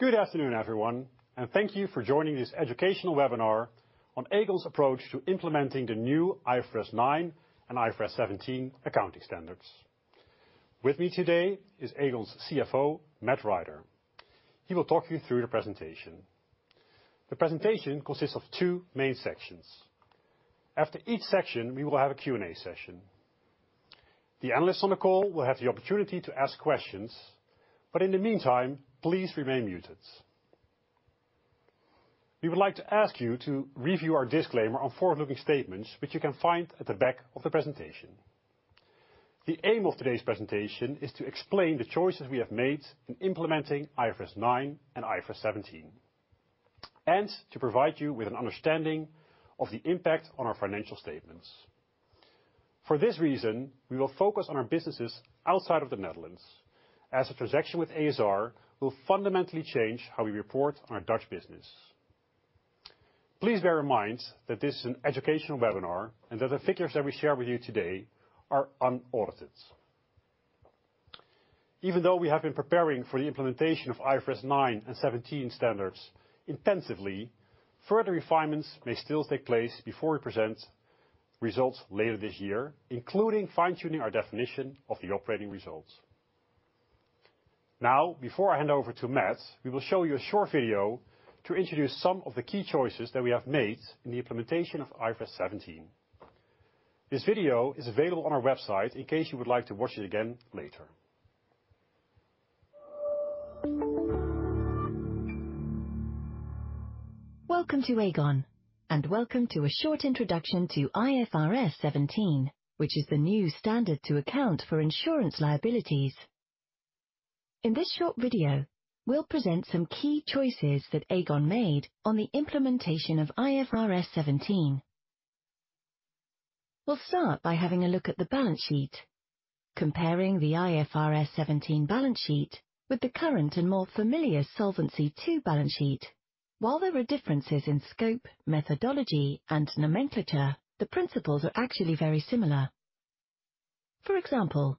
Good afternoon, everyone, and thank you for joining this educational webinar on Aegon's approach to implementing the new IFRS 9 and IFRS 17 accounting standards. With me today is Aegon's CFO, Matt Rider. He will talk you through the presentation. The presentation consists of two main sections. After each section, we will have a Q&A session. The analysts on the call will have the opportunity to ask questions, but in the meantime, please remain muted. We would like to ask you to review our disclaimer on forward-looking statements, which you can find at the back of the presentation. The aim of today's presentation is to explain the choices we have made in implementing IFRS 9 and IFRS 17 and to provide you with an understanding of the impact on our financial statements. For this reason, we will focus on our businesses outside of the Netherlands, as the transaction with a.s.r. will fundamentally change how we report on our Dutch business. Please bear in mind that this is an educational webinar, and that the figures that we share with you today are unaudited. Even though we have been preparing for the implementation of IFRS 9 and 17 standards intensively, further refinements may still take place before we present results later this year, including fine-tuning our definition of the operating results. Before I hand over to Matt, we will show you a short video to introduce some of the key choices that we have made in the implementation of IFRS 17. This video is available on our website in case you would like to watch it again later. Welcome to Aegon and welcome to a short introduction to IFRS 17, which is the new standard to account for insurance liabilities. In this short video, we'll present some key choices that Aegon made on the implementation of IFRS 17. We'll start by having a look at the balance sheet. Comparing the IFRS 17 balance sheet with the current and more familiar Solvency II balance sheet. While there are differences in scope, methodology, and nomenclature, the principles are actually very similar. For example,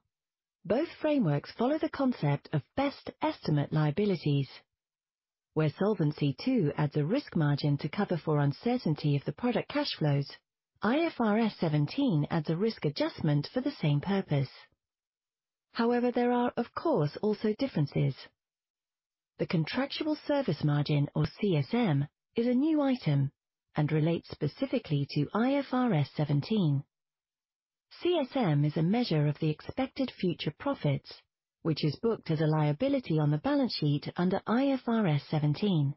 both frameworks follow the concept of best estimate liabilities, where Solvency II adds a risk margin to cover for uncertainty of the product cash flows. IFRS 17 adds a risk adjustment for the same purpose. There are, of course, also differences. The contractual service margin, or CSM, is a new item and relates specifically to IFRS 17. CSM is a measure of the expected future profits, which is booked as a liability on the balance sheet under IFRS 17.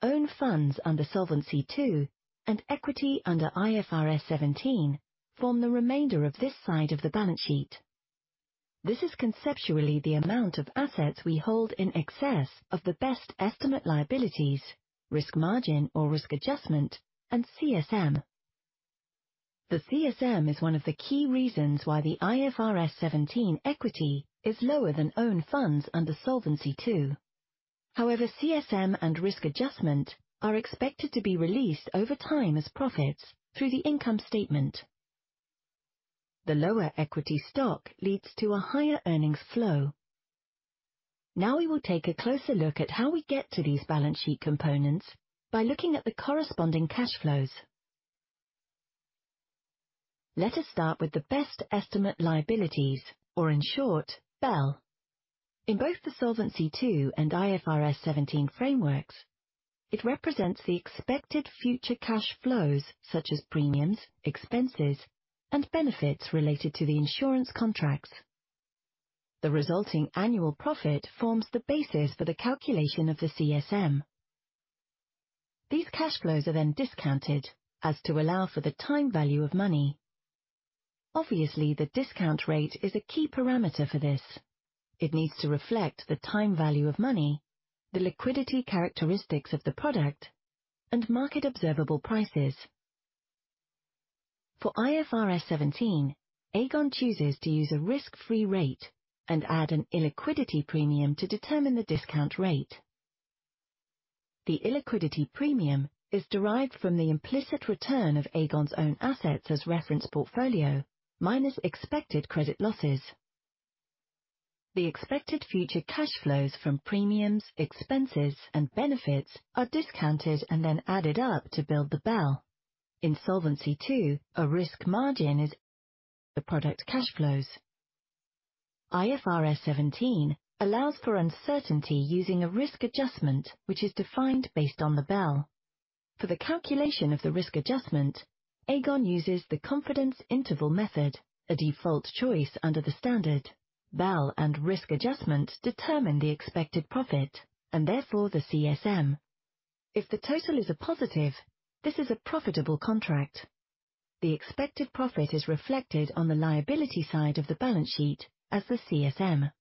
Own funds under Solvency II and equity under IFRS 17 form the remainder of this side of the balance sheet. This is conceptually the amount of assets we hold in excess of the best estimate liabilities, risk margin or risk adjustment, and CSM. The CSM is one of the key reasons why the IFRS 17 equity is lower than own funds under Solvency II. However, CSM and risk adjustment are expected to be released over time as profits through the income statement. The lower equity stock leads to a higher earnings flow. Now we will take a closer look at how we get to these balance sheet components by looking at the corresponding cash flows. Let us start with the Best Estimate Liabilities, or in short, BEL. In both the Solvency II and IFRS 17 frameworks, it represents the expected future cash flows, such as premiums, expenses, and benefits related to the insurance contracts. The resulting annual profit forms the basis for the calculation of the CSM. These cash flows are discounted as to allow for the time value of money. Obviously, the discount rate is a key parameter for this. It needs to reflect the time value of money, the liquidity characteristics of the product, and market observable prices. For IFRS 17, Aegon chooses to use a risk-free rate and add an illiquidity premium to determine the discount rate. The illiquidity premium is derived from the implicit return of Aegon's own assets as reference portfolio minus expected credit losses. The expected future cash flows from premiums, expenses, and benefits are discounted and added up to build the BEL. In Solvency II, a risk margin is the product cash flows. IFRS 17 allows for uncertainty using a risk adjustment, which is defined based on the BEL. For the calculation of the risk adjustment, Aegon uses the confidence interval method, a default choice under the standard. BEL and risk adjustment determine the expected profit and therefore the CSM. If the total is a positive, this is a profitable contract. The expected profit is reflected on the liability side of the balance sheet as the CSM.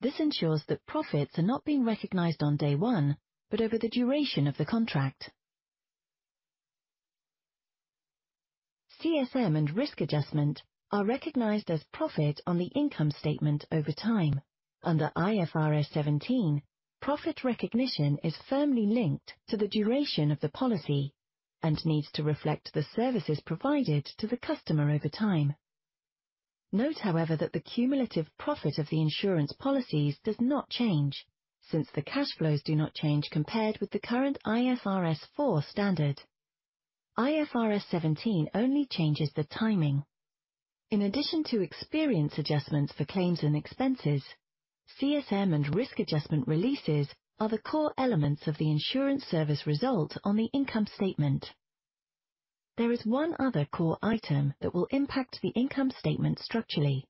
This ensures that profits are not being recognized on day one, but over the duration of the contract. CSM and risk adjustment are recognized as profit on the income statement over time. Under IFRS 17, profit recognition is firmly linked to the duration of the policy and needs to reflect the services provided to the customer over time. Note, however, that the cumulative profit of the insurance policies does not change since the cash flows do not change compared with the current IFRS 4 standard. IFRS 17 only changes the timing. In addition to experience adjustments for claims and expenses, CSM and risk adjustment releases are the core elements of the insurance service result on the income statement. There is one other core item that will impact the income statement structurally.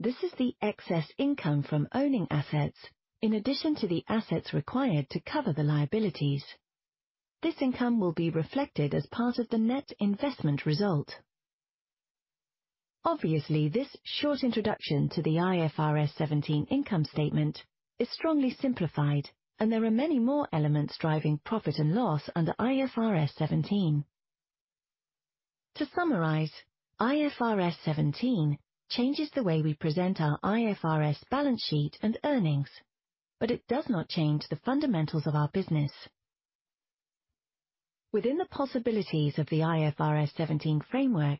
This is the excess income from owning assets in addition to the assets required to cover the liabilities. This income will be reflected as part of the net investment result. Obviously, this short introduction to the IFRS 17 income statement is strongly simplified and there are many more elements driving profit and loss under IFRS 17. To summarize, IFRS 17 changes the way we present our IFRS balance sheet and earnings, but it does not change the fundamentals of our business. Within the possibilities of the IFRS 17 framework,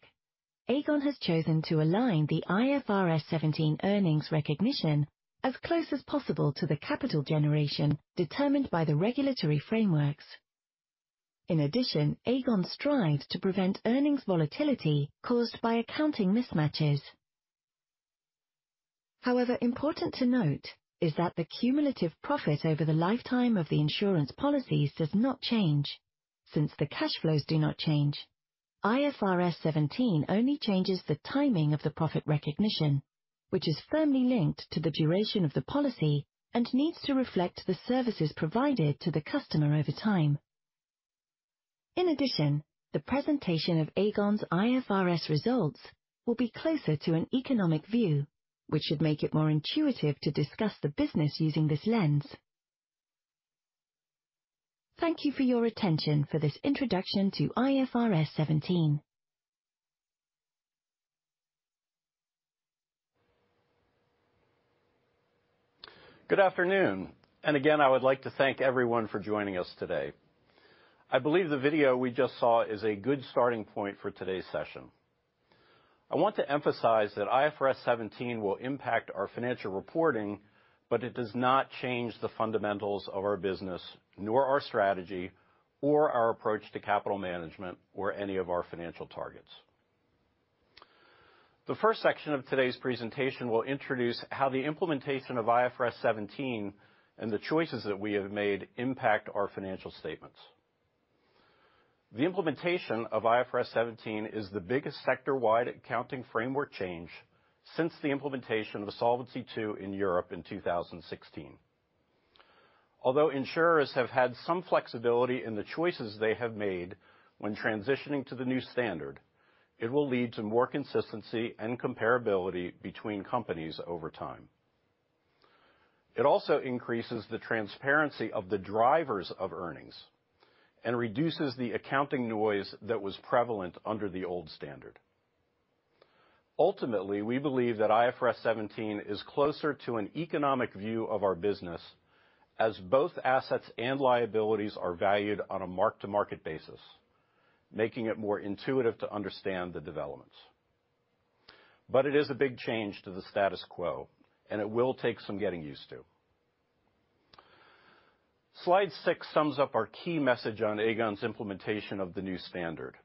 Aegon has chosen to align the IFRS 17 earnings recognition as close as possible to the capital generation determined by the regulatory frameworks. In addition, Aegon strives to prevent earnings volatility caused by accounting mismatches. However, important to note is that the cumulative profit over the lifetime of the insurance policies does not change since the cash flows do not change. IFRS 17 only changes the timing of the profit recognition, which is firmly linked to the duration of the policy and needs to reflect the services provided to the customer over time. In addition, the presentation of Aegon's IFRS results will be closer to an economic view, which should make it more intuitive to discuss the business using this lens. Thank you for your attention for this introduction to IFRS 17. Good afternoon. Again, I would like to thank everyone for joining us today. I believe the video we just saw is a good starting point for today's session. I want to emphasize that IFRS 17 will impact our financial reporting, but it does not change the fundamentals of our business, nor our strategy or our approach to capital management or any of our financial targets. The first section of today's presentation will introduce how the implementation of IFRS 17 and the choices that we have made impact our financial statements. The implementation of IFRS 17 is the biggest sector wide accounting framework change since the implementation of the Solvency II in Europe in 2016. Although insurers have had some flexibility in the choices they have made when transitioning to the new standard, it will lead to more consistency and comparability between companies over time. It also increases the transparency of the drivers of earnings and reduces the accounting noise that was prevalent under the old standard. Ultimately, we believe that IFRS 17 is closer to an economic view of our business, as both assets and liabilities are valued on a mark-to-market basis, making it more intuitive to understand the developments. It is a big change to the status quo, and it will take some getting used to. Slide six sums up our key message on Aegon's implementation of the new standard.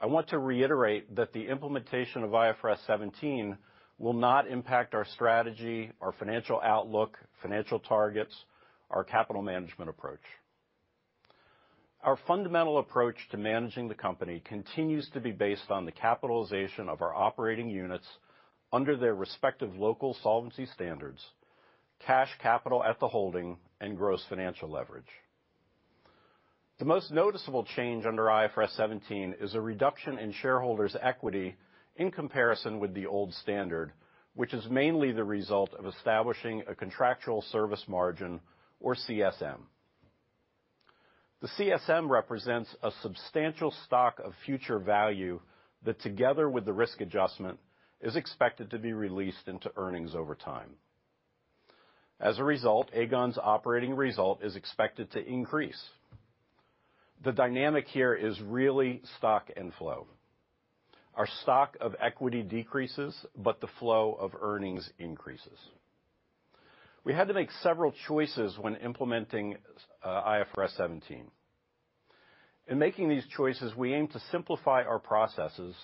I want to reiterate that the implementation of IFRS 17 will not impact our strategy, our financial outlook, financial targets, our capital management approach. Our fundamental approach to managing the company continues to be based on the capitalization of our operating units under their respective local solvency standards, cash capital at the holding, and gross financial leverage. The most noticeable change under IFRS 17 is a reduction in shareholders' equity in comparison with the old standard, which is mainly the result of establishing a contractual service margin or CSM. The CSM represents a substantial stock of future value that together with the risk adjustment, is expected to be released into earnings over time. As a result, Aegon's operating result is expected to increase. The dynamic here is really stock and flow. Our stock of equity decreases, but the flow of earnings increases. We had to make several choices when implementing IFRS 17. In making these choices, we aim to simplify our processes,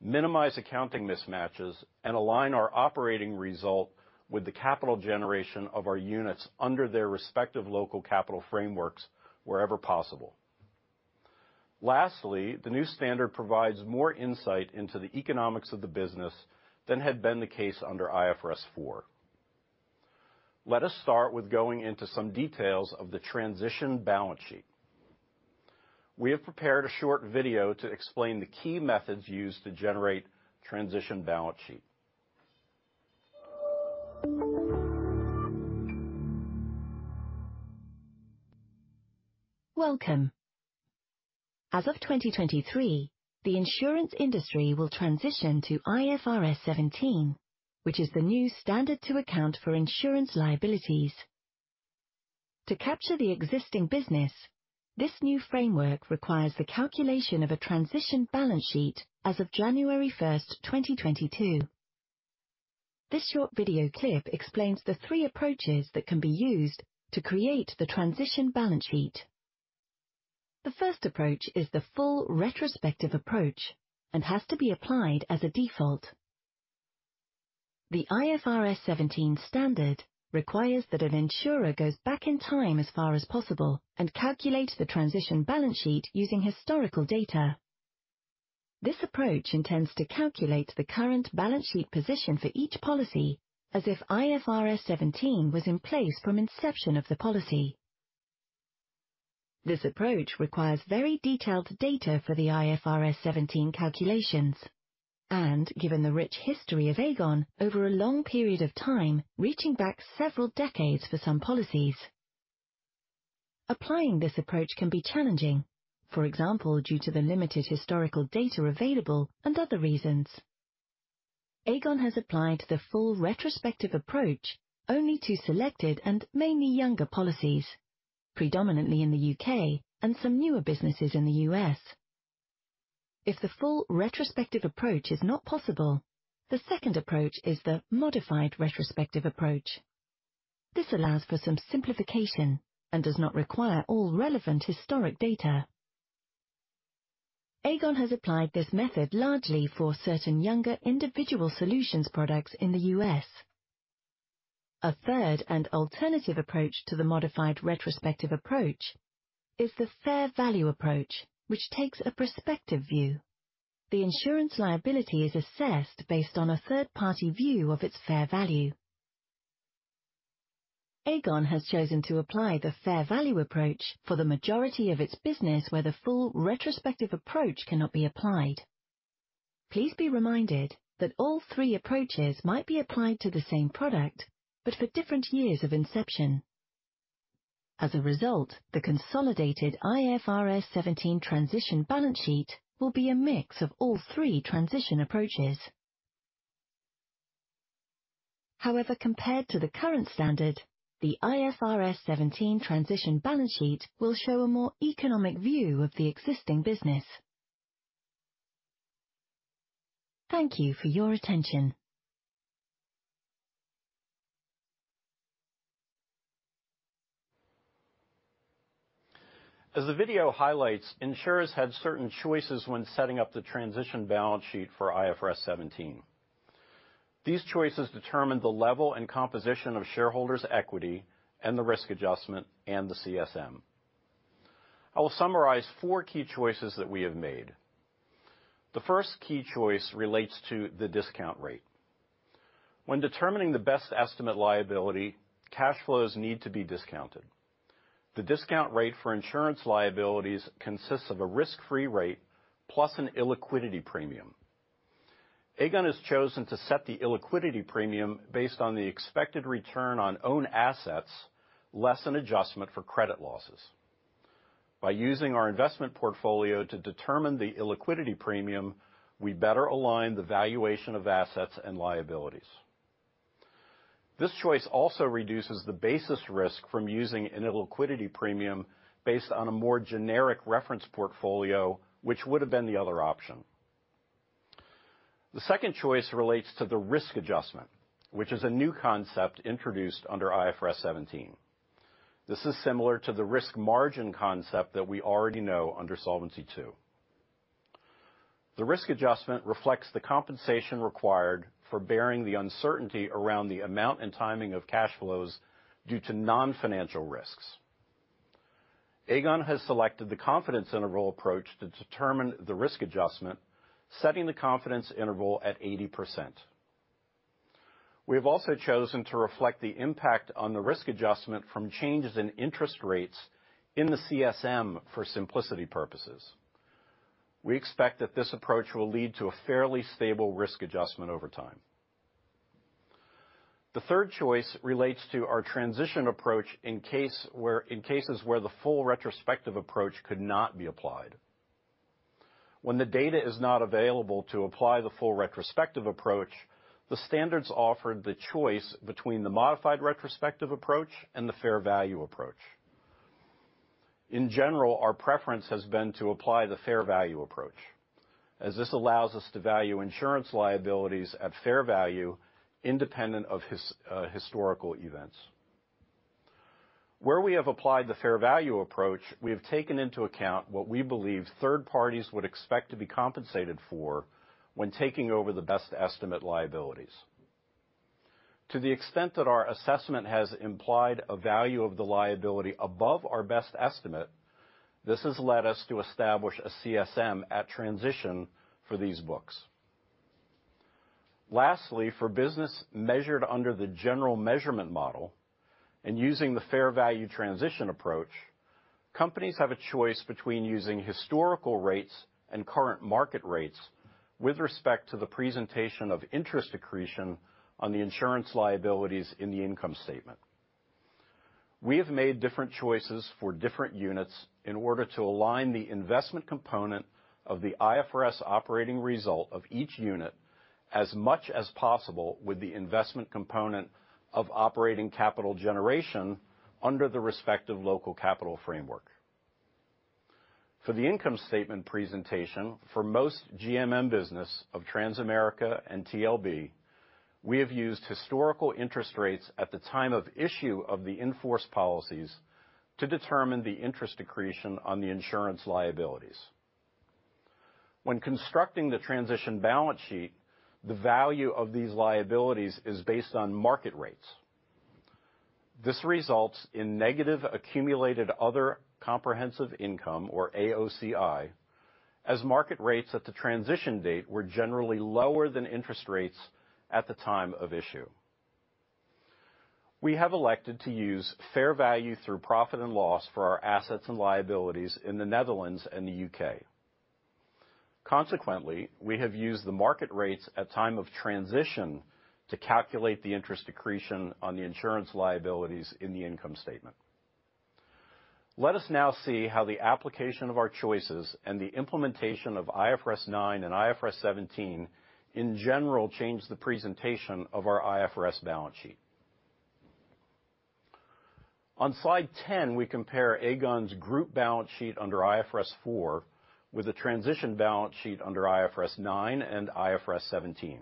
minimize accounting mismatches, and align our operating result with the capital generation of our units under their respective local capital frameworks wherever possible. Lastly, the new standard provides more insight into the economics of the business than had been the case under IFRS 4. Let us start with going into some details of the transition balance sheet. We have prepared a short video to explain the key methods used to generate transition balance sheet. Welcome. As of 2023, the insurance industry will transition to IFRS 17, which is the new standard to account for insurance liabilities. To capture the existing business, this new framework requires the calculation of a transition balance sheet as of January 1st, 2022. This short video clip explains the three approaches that can be used to create the transition balance sheet. The first approach is the full retrospective approach and has to be applied as a default. The IFRS 17 standard requires that an insurer goes back in time as far as possible and calculates the transition balance sheet using historical data. This approach intends to calculate the current balance sheet position for each policy as if IFRS 17 was in place from inception of the policy. This approach requires very detailed data for the IFRS 17 calculations and given the rich history of Aegon over a long period of time, reaching back several decades for some policies. Applying this approach can be challenging, for example, due to the limited historical data available and other reasons. Aegon has applied the full retrospective approach only to selected and mainly younger policies, predominantly in the UK and some newer businesses in the US. If the full retrospective approach is not possible, the second approach is the modified retrospective approach. This allows for some simplification and does not require all relevant historic data. Aegon has applied this method largely for certain younger Individual Solutions products in the US. A third and alternative approach to the modified retrospective approach is the fair value approach, which takes a prospective view. The insurance liability is assessed based on a third party view of its fair value. Aegon has chosen to apply the fair value approach for the majority of its business where the full retrospective approach cannot be applied. Please be reminded that all three approaches might be applied to the same product, but for different years of inception. As a result, the consolidated IFRS 17 transition balance sheet will be a mix of all three transition approaches. However, compared to the current standard, the IFRS 17 transition balance sheet will show a more economic view of the existing business. Thank you for your attention. As the video highlights, insurers have certain choices when setting up the transition balance sheet for IFRS 17. These choices determine the level and composition of shareholders equity and the Risk Adjustment and the CSM. I will summarize four key choices that we have made. The first key choice relates to the discount rate. When determining the Best Estimate Liability, cash flows need to be discounted. The discount rate for insurance liabilities consists of a risk free rate plus an illiquidity premium. Aegon has chosen to set the illiquidity premium based on the expected return on own assets less an adjustment for credit losses. By using our investment portfolio to determine the illiquidity premium, we better align the valuation of assets and liabilities. This choice also reduces the basis risk from using an illiquidity premium based on a more generic reference portfolio, which would have been the other option. The second choice relates to the risk adjustment, which is a new concept introduced under IFRS 17. This is similar to the risk margin concept that we already know under Solvency II. The risk adjustment reflects the compensation required for bearing the uncertainty around the amount and timing of cash flows due to non-financial risks. Aegon has selected the confidence interval approach to determine the risk adjustment, setting the confidence interval at 80%. We have also chosen to reflect the impact on the risk adjustment from changes in interest rates in the CSM for simplicity purposes. We expect that this approach will lead to a fairly stable risk adjustment over time. The third choice relates to our transition approach in cases where the full retrospective approach could not be applied. When the data is not available to apply the full retrospective approach, the standards offered the choice between the modified retrospective approach and the fair value approach. In general, our preference has been to apply the fair value approach as this allows us to value insurance liabilities at fair value independent of his historical events. Where we have applied the fair value approach, we have taken into account what we believe third parties would expect to be compensated for when taking over the best estimate liabilities. To the extent that our assessment has implied a value of the liability above our best estimate, this has led us to establish a CSM at transition for these books. Lastly, for business measured under the general measurement model and using the fair value transition approach, companies have a choice between using historical rates and current market rates with respect to the presentation of interest accretion on the insurance liabilities in the income statement. We have made different choices for different units in order to align the investment component of the IFRS operating result of each unit as much as possible with the investment component of operating capital generation under the respective local capital framework. For the income statement presentation for most GMM business of Transamerica and TLB, we have used historical interest rates at the time of issue of the in-force policies to determine the interest accretion on the insurance liabilities. When constructing the transition balance sheet, the value of these liabilities is based on market rates. This results in negative accumulated other comprehensive income, or AOCI, as market rates at the transition date were generally lower than interest rates at the time of issue. We have elected to use fair value through profit and loss for our assets and liabilities in the Netherlands and the UK. Consequently, we have used the market rates at time of transition to calculate the interest accretion on the insurance liabilities in the income statement. Let us now see how the application of our choices and the implementation of IFRS 9 and IFRS 17 in general changed the presentation of our IFRS balance sheet. On slide 10, we compare Aegon's group balance sheet under IFRS 4 with the transition balance sheet under IFRS 9 and IFRS 17.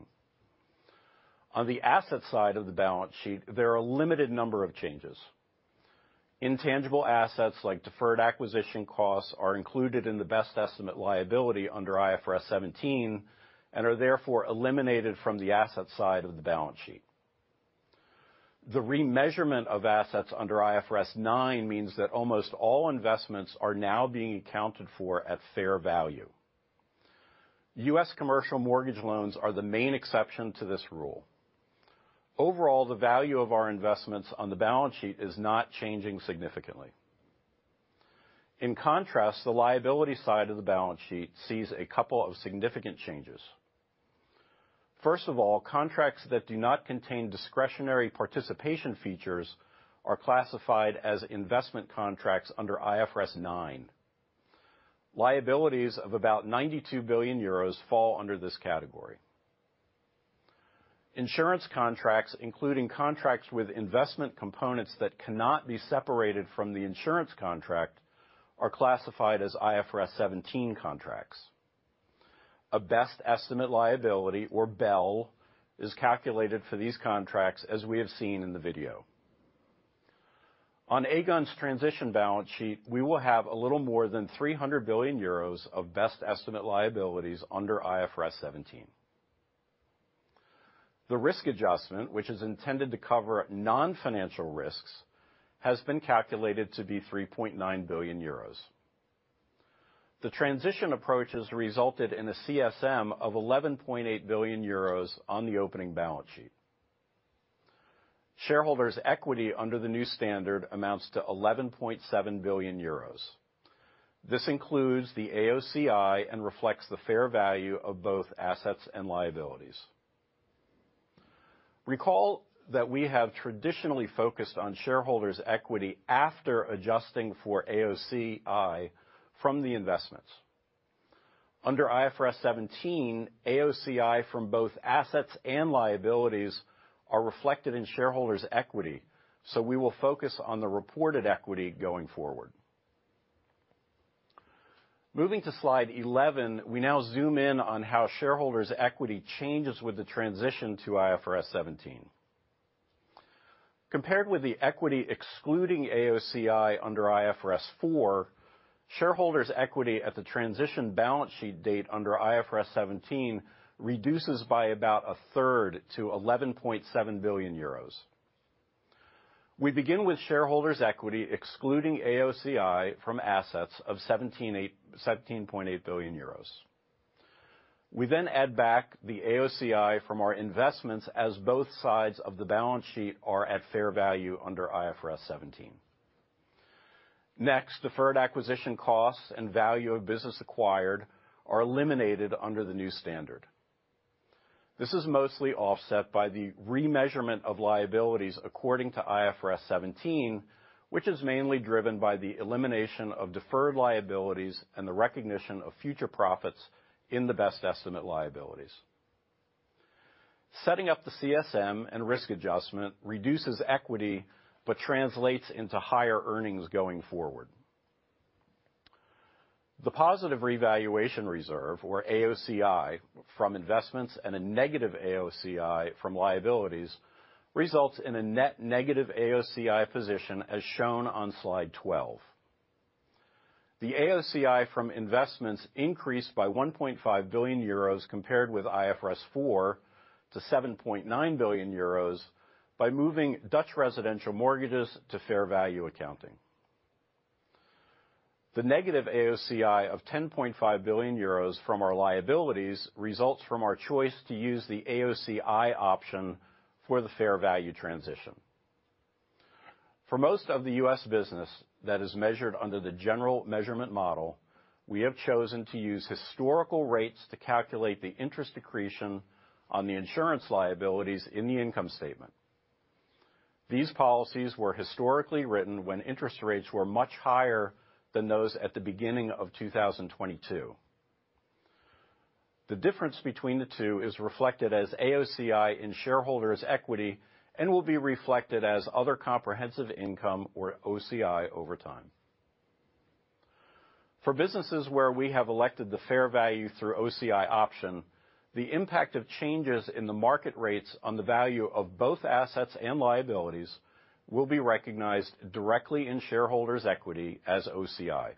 On the asset side of the balance sheet, there are a limited number of changes. Intangible assets like deferred acquisition costs are included in the best estimate liability under IFRS 17 and are therefore eliminated from the asset side of the balance sheet. The remeasurement of assets under IFRS 9 means that almost all investments are now being accounted for at fair value. US commercial mortgage loans are the main exception to this rule. Overall, the value of our investments on the balance sheet is not changing significantly. In contrast, the liability side of the balance sheet sees a couple of significant changes. First of all, contracts that do not contain discretionary participation features are classified as investment contracts under IFRS 9. Liabilities of about 92 billion euros fall under this category. Insurance contracts, including contracts with investment components that cannot be separated from the insurance contract, are classified as IFRS 17 contracts. A Best Estimate Liability, or BEL, is calculated for these contracts as we have seen in the video. On Aegon's transition balance sheet, we will have a little more than 300 billion euros of best estimate liabilities under IFRS 17. The risk adjustment, which is intended to cover non-financial risks, has been calculated to be 39 billion euros. The transition approach has resulted in a CSM of 11.8 billion euros on the opening balance sheet. Shareholders' equity under the new standard amounts to 11.7 billion euros. This includes the AOCI and reflects the fair value of both assets and liabilities. Recall that we have traditionally focused on shareholders' equity after adjusting for AOCI from the investments. Under IFRS 17, AOCI from both assets and liabilities are reflected in shareholders' equity, so we will focus on the reported equity going forward. Moving to slide 11, we now zoom in on how shareholders' equity changes with the transition to IFRS 17. Compared with the equity excluding AOCI under IFRS 4, shareholders' equity at the transition balance sheet date under IFRS 17 reduces by about a third to 11.7 billion euros. We begin with shareholders' equity excluding AOCI from assets of 17.8 billion euros. We then add back the AOCI from our investments as both sides of the balance sheet are at fair value under IFRS 17. Next, deferred acquisition costs and value of business acquired are eliminated under the new standard. This is mostly offset by the remeasurement of liabilities according to IFRS 17, which is mainly driven by the elimination of deferred liabilities and the recognition of future profits in the best estimate liabilities. Setting up the CSM and risk adjustment reduces equity. Translates into higher earnings going forward. The positive revaluation reserve, or AOCI, from investments and a negative AOCI from liabilities results in a net negative AOCI position as shown on slide 12. The AOCI from investments increased by 1.5 billion euros compared with IFRS 4 to 7.9 billion euros by moving Dutch residential mortgages to fair value accounting. The negative AOCI of 10.5 billion euros from our liabilities results from our choice to use the AOCI option for the fair value transition. For most of the U.S. business that is measured under the general measurement model, we have chosen to use historical rates to calculate the interest accretion on the insurance liabilities in the income statement. These policies were historically written when interest rates were much higher than those at the beginning of 2022. The difference between the two is reflected as AOCI in shareholders' equity and will be reflected as other comprehensive income, or OCI, over time. For businesses where we have elected the fair value through OCI option, the impact of changes in the market rates on the value of both assets and liabilities will be recognized directly in shareholders' equity as OCI.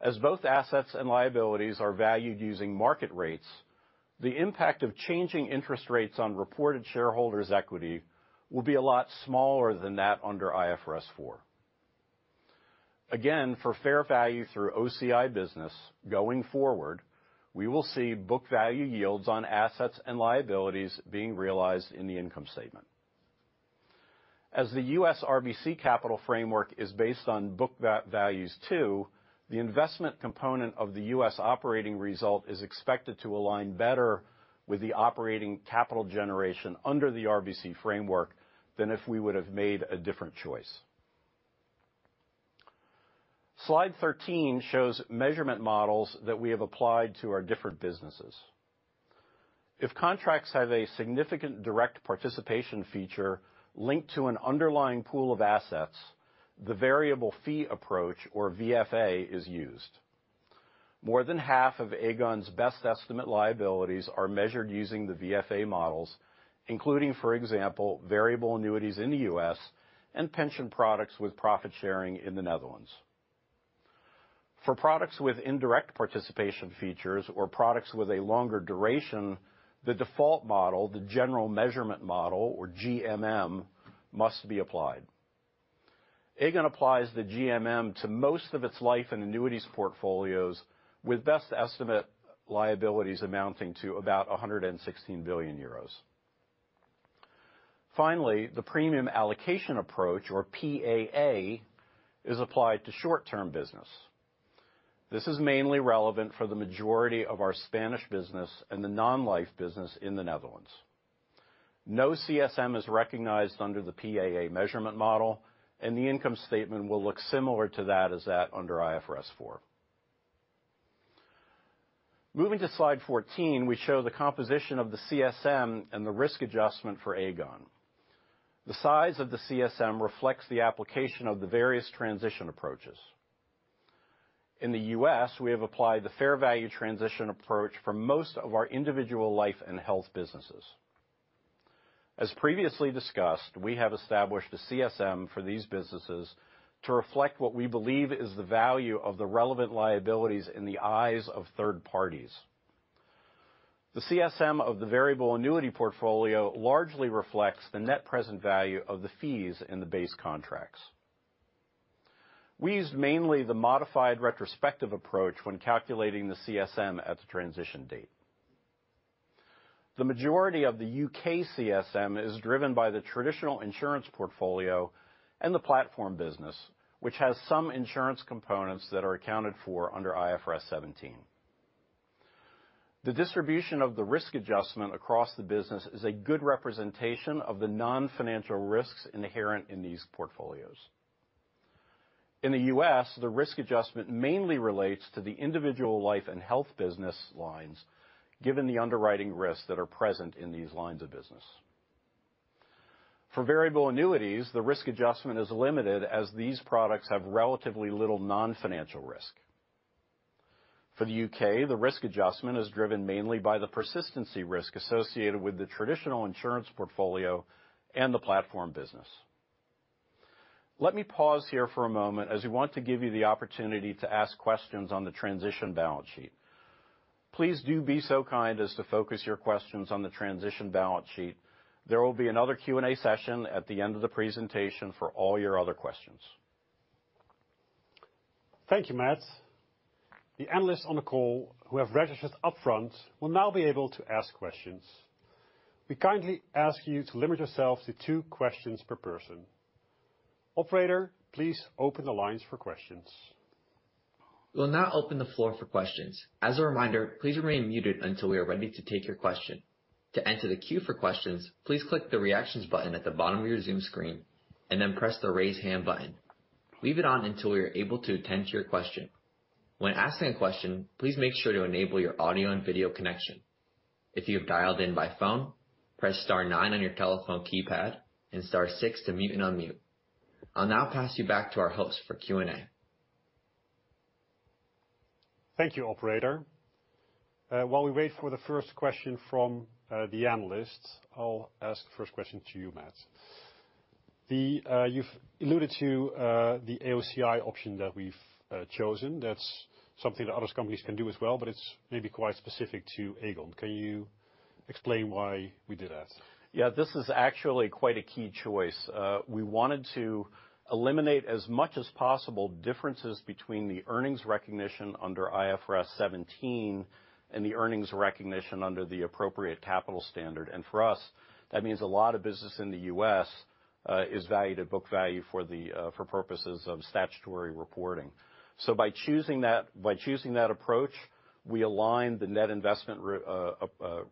As both assets and liabilities are valued using market rates, the impact of changing interest rates on reported shareholders' equity will be a lot smaller than that under IFRS 4. Again, for fair value through OCI business going forward, we will see book value yields on assets and liabilities being realized in the income statement. As the U.S. RBC capital framework is based on book values too, the investment component of the U.S. operating result is expected to align better with the operating capital generation under the RBC framework than if we would've made a different choice. Slide 13 shows measurement models that we have applied to our different businesses. If contracts have a significant direct participation features linked to an underlying pool of assets, the variable fee approach, or VFA, is used. More than half of Aegon's best estimate liabilities are measured using the VFA models, including, for example, variable annuities in the U.S. and pension products with profit sharing in the Netherlands. For products with indirect participation features or products with a longer duration, the default model, the general measurement model, or GMM, must be applied. Aegon applies the GMM to most of its life in annuities portfolios with best estimate liabilities amounting to about 116 billion euros. The premium allocation approach, or PAA, is applied to short-term business. This is mainly relevant for the majority of our Spanish business and the non-life business in the Netherlands. No CSM is recognized under the PAA measurement model, the income statement will look similar to that as that under IFRS 4. Moving to slide 14, we show the composition of the CSM and the risk adjustment for Aegon. The size of the CSM reflects the application of the various transition approaches. In the U.S., we have applied the fair value transition approach for most of our individual life and health businesses. As previously discussed, we have established a CSM for these businesses to reflect what we believe is the value of the relevant liabilities in the eyes of third parties. The CSM of the variable annuity portfolio largely reflects the net present value of the fees in the base contracts. We use mainly the modified retrospective approach when calculating the CSM at the transition date. The majority of the U.K. CSM is driven by the traditional insurance portfolio and the platform business, which has some insurance components that are accounted for under IFRS 17. The distribution of the risk adjustment across the business is a good representation of the non-financial risks inherent in these portfolios. In the U.S., the risk adjustment mainly relates to the individual life and health business lines given the underwriting risks that are present in these lines of business. For variable annuities, the risk adjustment is limited as these products have relatively little non-financial risk. For the U.K., the risk adjustment is driven mainly by the persistency risk associated with the traditional insurance portfolio and the platform business. Let me pause here for a moment as we want to give you the opportunity to ask questions on the transition balance sheet. Please do be so kind as to focus your questions on the transition balance sheet. There will be another Q&A session at the end of the presentation for all your other questions. Thank you, Matt. The analysts on the call who have registered up front will now be able to ask questions. We kindly ask you to limit yourself to two questions per person. Operator, please open the lines for questions. We will now open the floor for questions. As a reminder, please remain muted until we are ready to take your question. To enter the queue for questions, please click the Reactions button at the bottom of your Zoom screen and then press the Raise Hand button. Leave it on until we are able to attend to your question. When asking a question, please make sure to enable your audio and video connection. If you have dialed in by phone, press star nine on your telephone keypad and star six to mute and unmute. I'll now pass you back to our host for Q&A. Thank you, operator. While we wait for the first question from the analysts, I'll ask the first question to you, Matt. You've alluded to the AOCI option that we've chosen. That's something that other companies can do as well, but it's maybe quite specific to Aegon. Can you explain why we did that? Yeah, this is actually quite a key choice. We wanted to eliminate as much as possible differences between the earnings recognition under IFRS 17 and the earnings recognition under the appropriate capital standard. For us, that means a lot of business in the U.S. is valued at book value for purposes of statutory reporting. By choosing that approach, we align the net investment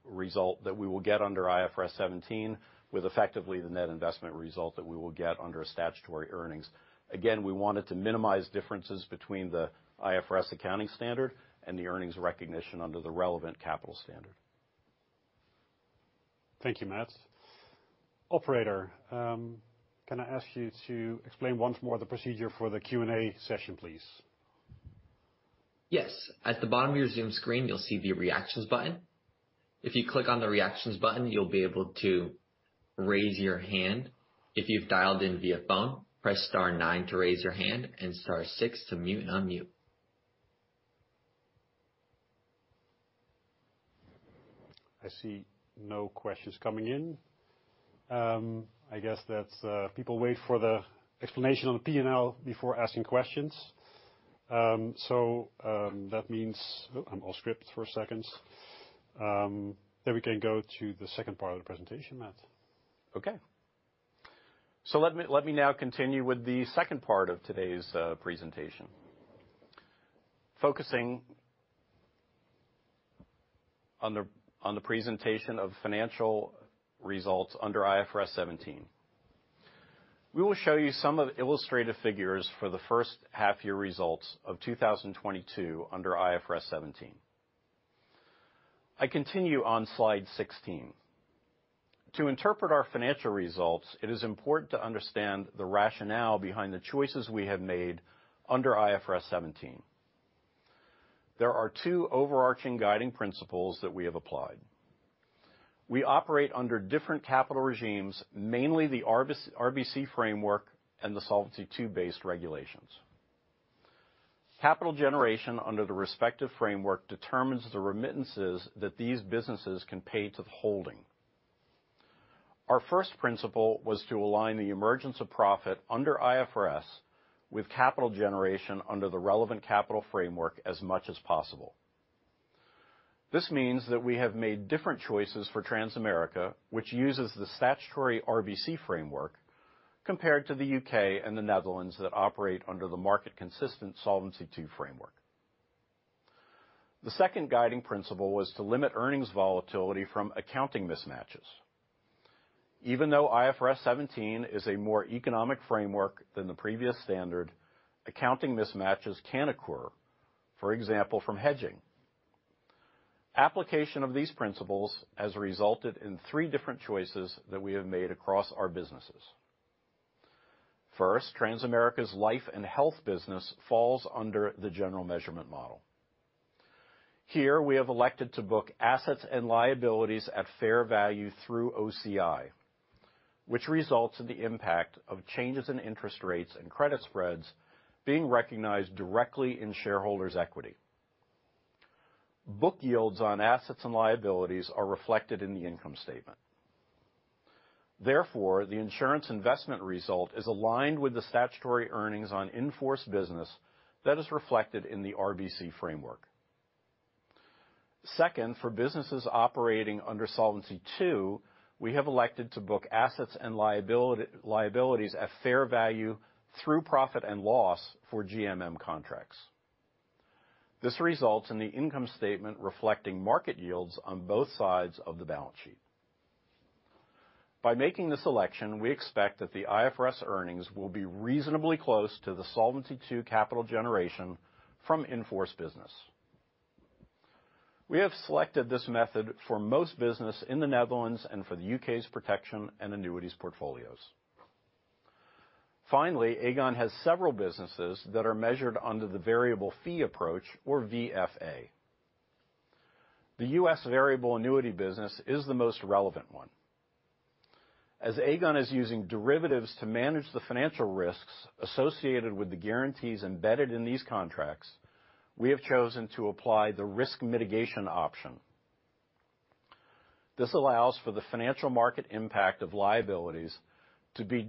result that we will get under IFRS 17 with effectively the net investment result that we will get under a statutory earnings. Again, we wanted to minimize differences between the IFRS accounting standard and the earnings recognition under the relevant capital standard. Thank you, Matt. Operator, can I ask you to explain once more the procedure for the Q&A session, please? Yes. At the bottom of your Zoom screen, you'll see the reactions button. If you click on the reactions button, you'll be able to raise your hand. If you've dialed in via phone, press star nine to raise your hand and star six to mute and unmute. I see no questions coming in. I guess that people wait for the explanation on the P&L before asking questions. That means I'm off script for a second. We can go to the second part of the presentation, Matt. Okay. Let me now continue with the second part of today's presentation. Focusing on the presentation of financial results under IFRS 17. We will show you some of the illustrative figures for the first half year results of 2022 under IFRS 17. I continue on slide 16. To interpret our financial results, it is important to understand the rationale behind the choices we have made under IFRS 17. There are two overarching guiding principles that we have applied. We operate under different capital regimes, mainly the RBC framework and the Solvency II-based regulations. Capital generation under the respective framework determines the remittances that these businesses can pay to the holding. Our first principle was to align the emergence of profit under IFRS with capital generation under the relevant capital framework as much as possible. This means that we have made different choices for Transamerica, which uses the statutory RBC framework compared to the U.K. and the Netherlands that operate under the market consistent Solvency II framework. The second guiding principle was to limit earnings volatility from accounting mismatches. IFRS 17 is a more economic framework than the previous standard, accounting mismatches can occur, for example, from hedging. Application of these principles has resulted in three different choices that we have made across our businesses. Transamerica's life and health business falls under the general measurement model. We have elected to book assets and liabilities at fair value through OCI, which results in the impact of changes in interest rates and credit spreads being recognized directly in shareholders' equity. Book yields on assets and liabilities are reflected in the income statement. Therefore, the insurance investment result is aligned with the statutory earnings on in-force business that is reflected in the RBC framework. Second, for businesses operating under Solvency II, we have elected to book assets and liabilities at fair value through profit and loss for GMM contracts. This results in the income statement reflecting market yields on both sides of the balance sheet. By making this election, we expect that the IFRS earnings will be reasonably close to the Solvency II capital generation from in-force business. We have selected this method for most business in the Netherlands and for the U.K.'s protection and annuities portfolios. Finally, Aegon has several businesses that are measured under the variable fee approach or VFA. The US variable annuity business is the most relevant one. As Aegon is using derivatives to manage the financial risks associated with the guarantees embedded in these contracts, we have chosen to apply the risk mitigation option. This allows for the financial market impact of liabilities to be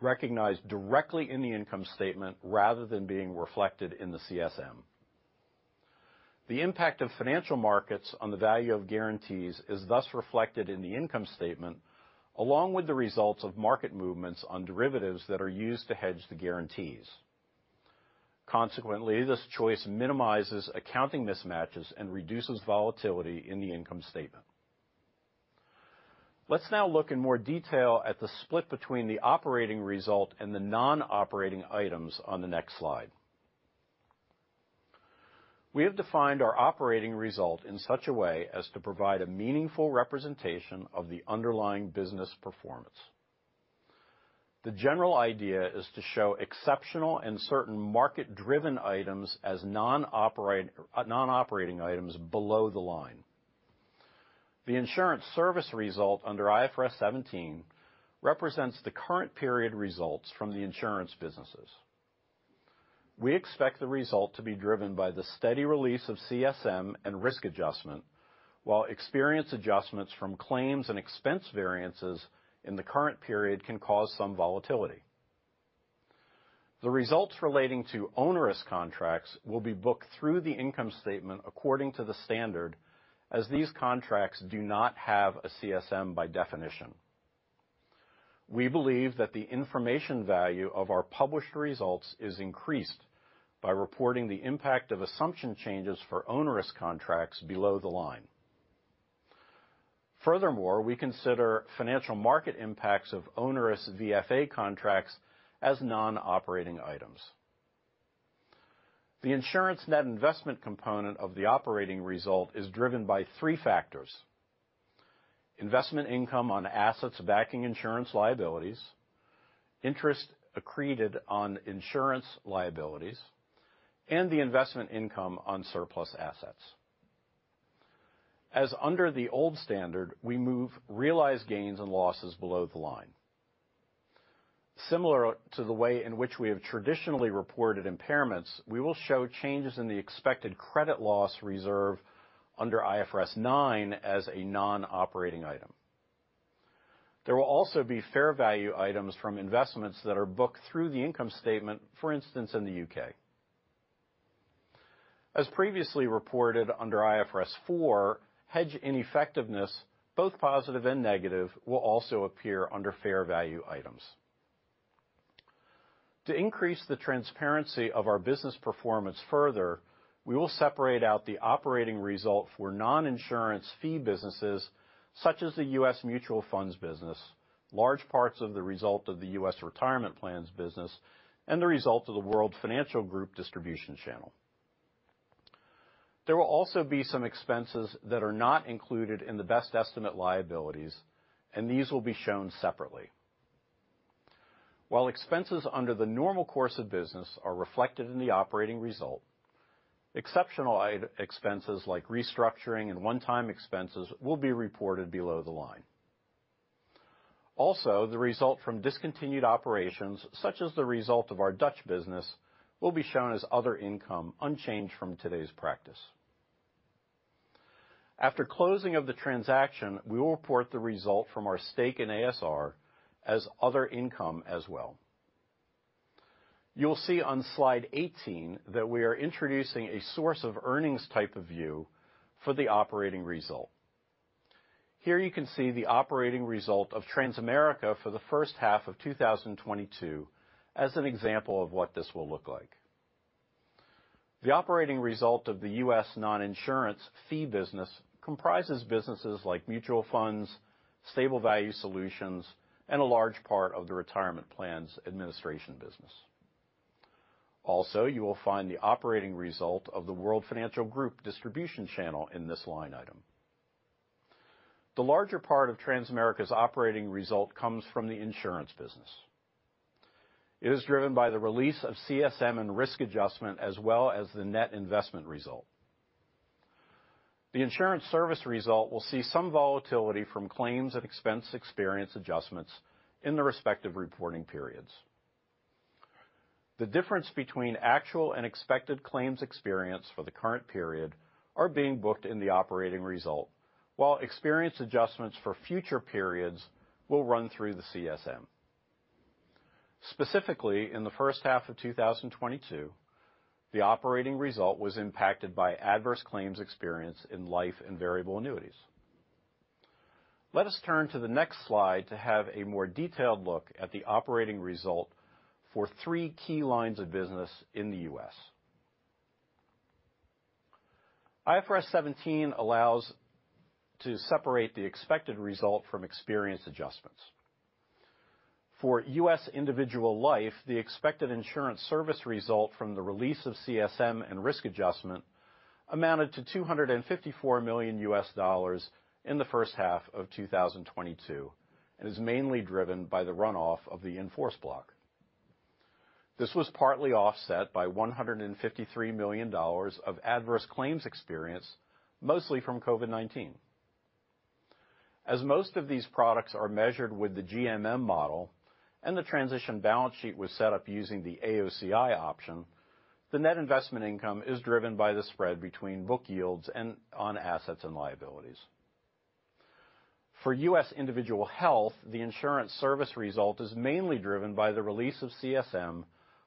recognized directly in the income statement rather than being reflected in the CSM. The impact of financial markets on the value of guarantees is thus reflected in the income statement, along with the results of market movements on derivatives that are used to hedge the guarantees. Consequently, this choice minimizes accounting mismatches and reduces volatility in the income statement. Let's now look in more detail at the split between the operating result and the non-operating items on the next slide. We have defined our operating result in such a way as to provide a meaningful representation of the underlying business performance. The general idea is to show exceptional and certain market-driven items as non-operating items below the line. The insurance service result under IFRS 17 represents the current period results from the insurance businesses. We expect the result to be driven by the steady release of CSM and risk adjustment, while experience adjustments from claims and expense variances in the current period can cause some volatility. The results relating to onerous contracts will be booked through the income statement according to the standard, as these contracts do not have a CSM by definition. We believe that the information value of our published results is increased by reporting the impact of assumption changes for onerous contracts below the line. Furthermore, we consider financial market impacts of onerous VFA contracts as non-operating items. The insurance net investment component of the operating result is driven by three factors, investment income on assets backing insurance liabilities, interest accreted on insurance liabilities, and the investment income on surplus assets. As under the old standard, we move realized gains and losses below the line. Similar to the way in which we have traditionally reported impairments, we will show changes in the expected credit loss reserve under IFRS 9 as a non-operating item. There will also be fair value items from investments that are booked through the income statement, for instance, in the U.K. As previously reported under IFRS 4, hedge ineffectiveness, both positive and negative, will also appear under fair value items. To increase the transparency of our business performance further, we will separate out the operating result for non-insurance fee businesses such as the U.S. Mutual Funds business, large parts of the result of the U.S. Retirement Plans business, and the result of the World Financial Group distribution channel. There will also be some expenses that are not included in the best estimate liabilities, and these will be shown separately. While expenses under the normal course of business are reflected in the operating result, exceptional items, expenses like restructuring and one-time expenses will be reported below the line. The result from discontinued operations, such as the result of our Dutch business, will be shown as other income unchanged from today's practice. After closing of the transaction, we will report the result from our stake in a.s.r. as other income as well. You will see on slide 18 that we are introducing a source of earnings type of view for the operating result. Here you can see the operating result of Transamerica for the first half of 2022 as an example of what this will look like. The operating result of the U.S. non-insurance fee business comprises businesses like Mutual Funds, Stable Value Solutions, and a large part of the Retirement Plans administration business. Also, you will find the operating result of the World Financial Group distribution channel in this line item. The larger part of Transamerica's operating result comes from the insurance business. It is driven by the release of CSM and risk adjustment as well as the net investment result. The insurance service result will see some volatility from claims and expense experience adjustments in the respective reporting periods. The difference between actual and expected claims experience for the current period are being booked in the operating result, while experience adjustments for future periods will run through the CSM. Specifically, in the first half of 2022, the operating result was impacted by adverse claims experience in life and variable annuities. Let us turn to the next slide to have a more detailed look at the operating result for three key lines of business in the U.S. IFRS 17 allows to separate the expected result from experience adjustments. For U.S. individual life, the expected insurance service result from the release of CSM and risk adjustment amounted to $254 million in the first half of 2022, and is mainly driven by the runoff of the in-force block. This was partly offset by $153 million of adverse claims experience, mostly from COVID-19. Most of these products are measured with the GMM model and the transition balance sheet was set up using the AOCI option, the net investment income is driven by the spread between book yields and on assets and liabilities. For U.S. individual health, the insurance service result is mainly driven by the release of CSM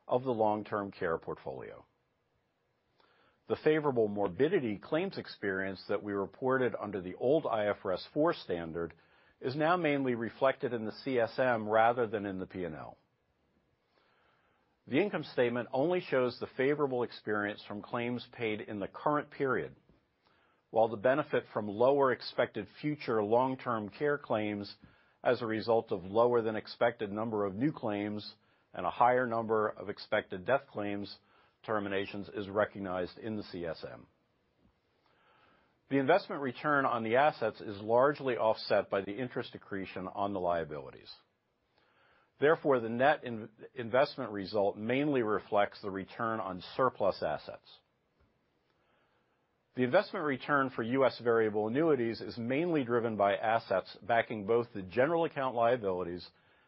of the long-term care portfolio. The favorable morbidity claims experience that we reported under the old IFRS 4 standard is now mainly reflected in the CSM rather than in the P&L. The income statement only shows the favorable experience from claims paid in the current period, while the benefit from lower expected future long-term care claims as a result of lower than expected number of new claims and a higher number of expected death claims terminations is recognized in the CSM. The investment return on the assets is largely offset by the interest accretion on the liabilities. The net investment result mainly reflects the return on surplus assets. The investment return for U.S. variable annuities is mainly driven by assets backing both the general account liabilities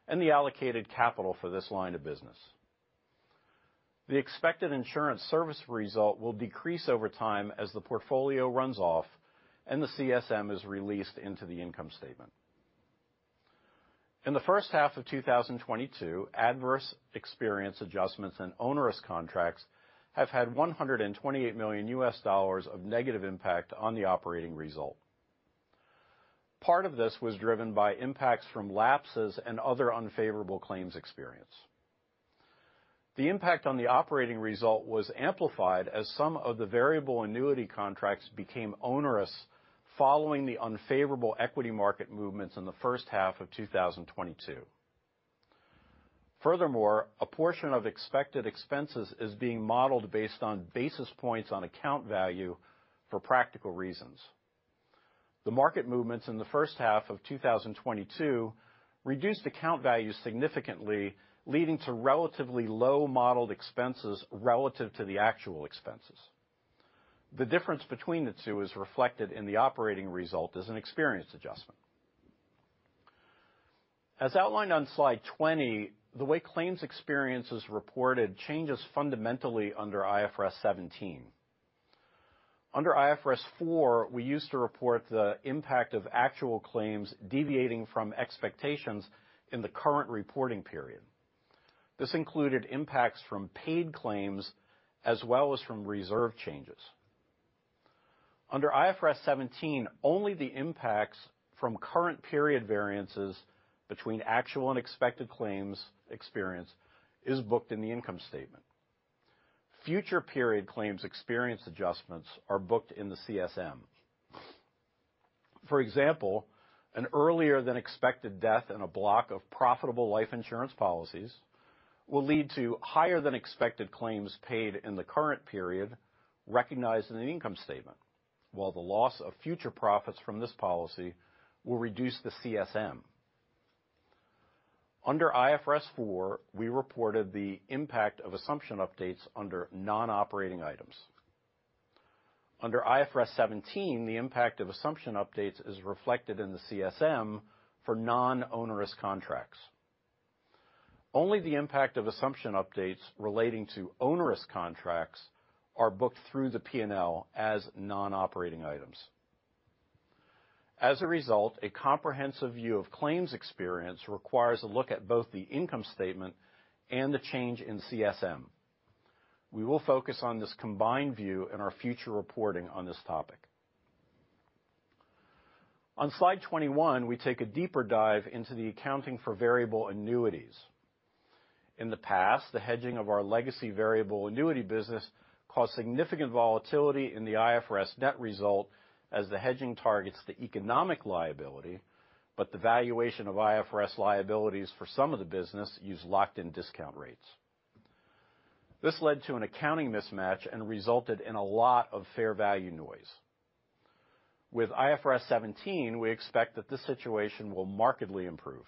and the allocated capital for this line of business. The expected insurance service result will decrease over time as the portfolio runs off and the CSM is released into the income statement. In the first half of 2022, adverse experience adjustments and onerous contracts have had $128 million of negative impact on the operating result. Part of this was driven by impacts from lapses and other unfavorable claims experience. The impact on the operating result was amplified as some of the variable annuity contracts became onerous following the unfavorable equity market movements in the first half of 2022. A portion of expected expenses is being modeled based on basis points on account value for practical reasons. The market movements in the first half of 2022 reduced account values significantly, leading to relatively low modeled expenses relative to the actual expenses. The difference between the two is reflected in the operating result as an experience adjustment. As outlined on slide 20, the way claims experience is reported changes fundamentally under IFRS 17. Under IFRS 4, we used to report the impact of actual claims deviating from expectations in the current reporting period. This included impacts from paid claims as well as from reserve changes. Under IFRS 17, only the impacts from current period variances between actual and expected claims experience is booked in the income statement. Future period claims experience adjustments are booked in the CSM. For example, an earlier than expected death in a block of profitable life insurance policies will lead to higher than expected claims paid in the current period recognized in the income statement, while the loss of future profits from this policy will reduce the CSM. Under IFRS 4, we reported the impact of assumption updates under non-operating items. Under IFRS 17, the impact of assumption updates is reflected in the CSM for non-onerous contracts. Only the impact of assumption updates relating to onerous contracts are booked through the P&L as non-operating items. As a result, a comprehensive view of claims experience requires a look at both the income statement and the change in CSM. We will focus on this combined view in our future reporting on this topic. On slide 21, we take a deeper dive into the accounting for variable annuities. In the past, the hedging of our legacy variable annuity business caused significant volatility in the IFRS net result as the hedging targets the economic liability, but the valuation of IFRS liabilities for some of the business use locked in discount rates. This led to an accounting mismatch and resulted in a lot of fair value noise. With IFRS 17, we expect that this situation will markedly improve.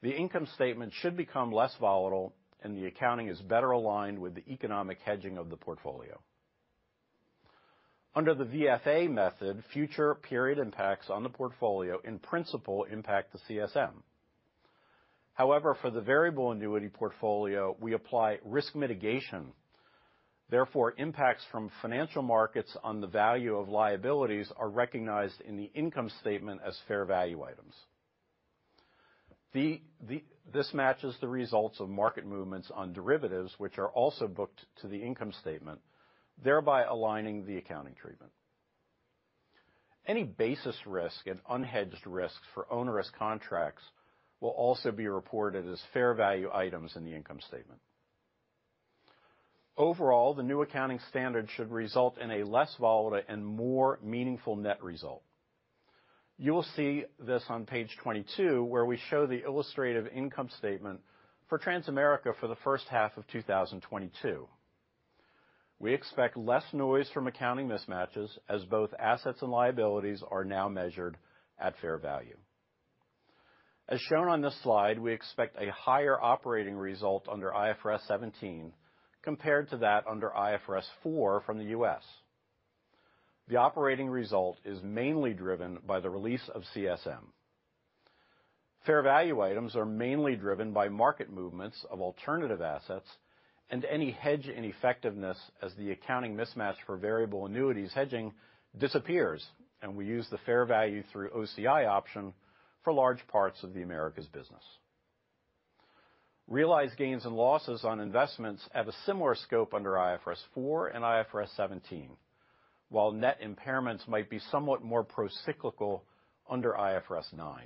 The income statement should become less volatile, and the accounting is better aligned with the economic hedging of the portfolio. Under the VFA method, future period impacts on the portfolio, in principle, impact the CSM. However, for the variable annuity portfolio, we apply risk mitigation. Therefore, impacts from financial markets on the value of liabilities are recognized in the income statement as fair value items. This matches the results of market movements on derivatives which are also booked to the income statement, thereby aligning the accounting treatment. Any basis risk and unhedged risks for onerous contracts will also be reported as fair value items in the income statement. Overall, the new accounting standard should result in a less volatile and more meaningful net result. You will see this on page 22, where we show the illustrative income statement for Transamerica for the first half of 2022. We expect less noise from accounting mismatches as both assets and liabilities are now measured at fair value. As shown on this slide, we expect a higher operating result under IFRS 17 compared to that under IFRS 4 from the US. The operating result is mainly driven by the release of CSM. Fair value items are mainly driven by market movements of alternative assets and any hedge ineffectiveness as the accounting mismatch for variable annuities hedging disappears, and we use the fair value through OCI option for large parts of the Americas business. Realized gains and losses on investments have a similar scope under IFRS 4 and IFRS 17, while net impairments might be somewhat more procyclical under IFRS 9.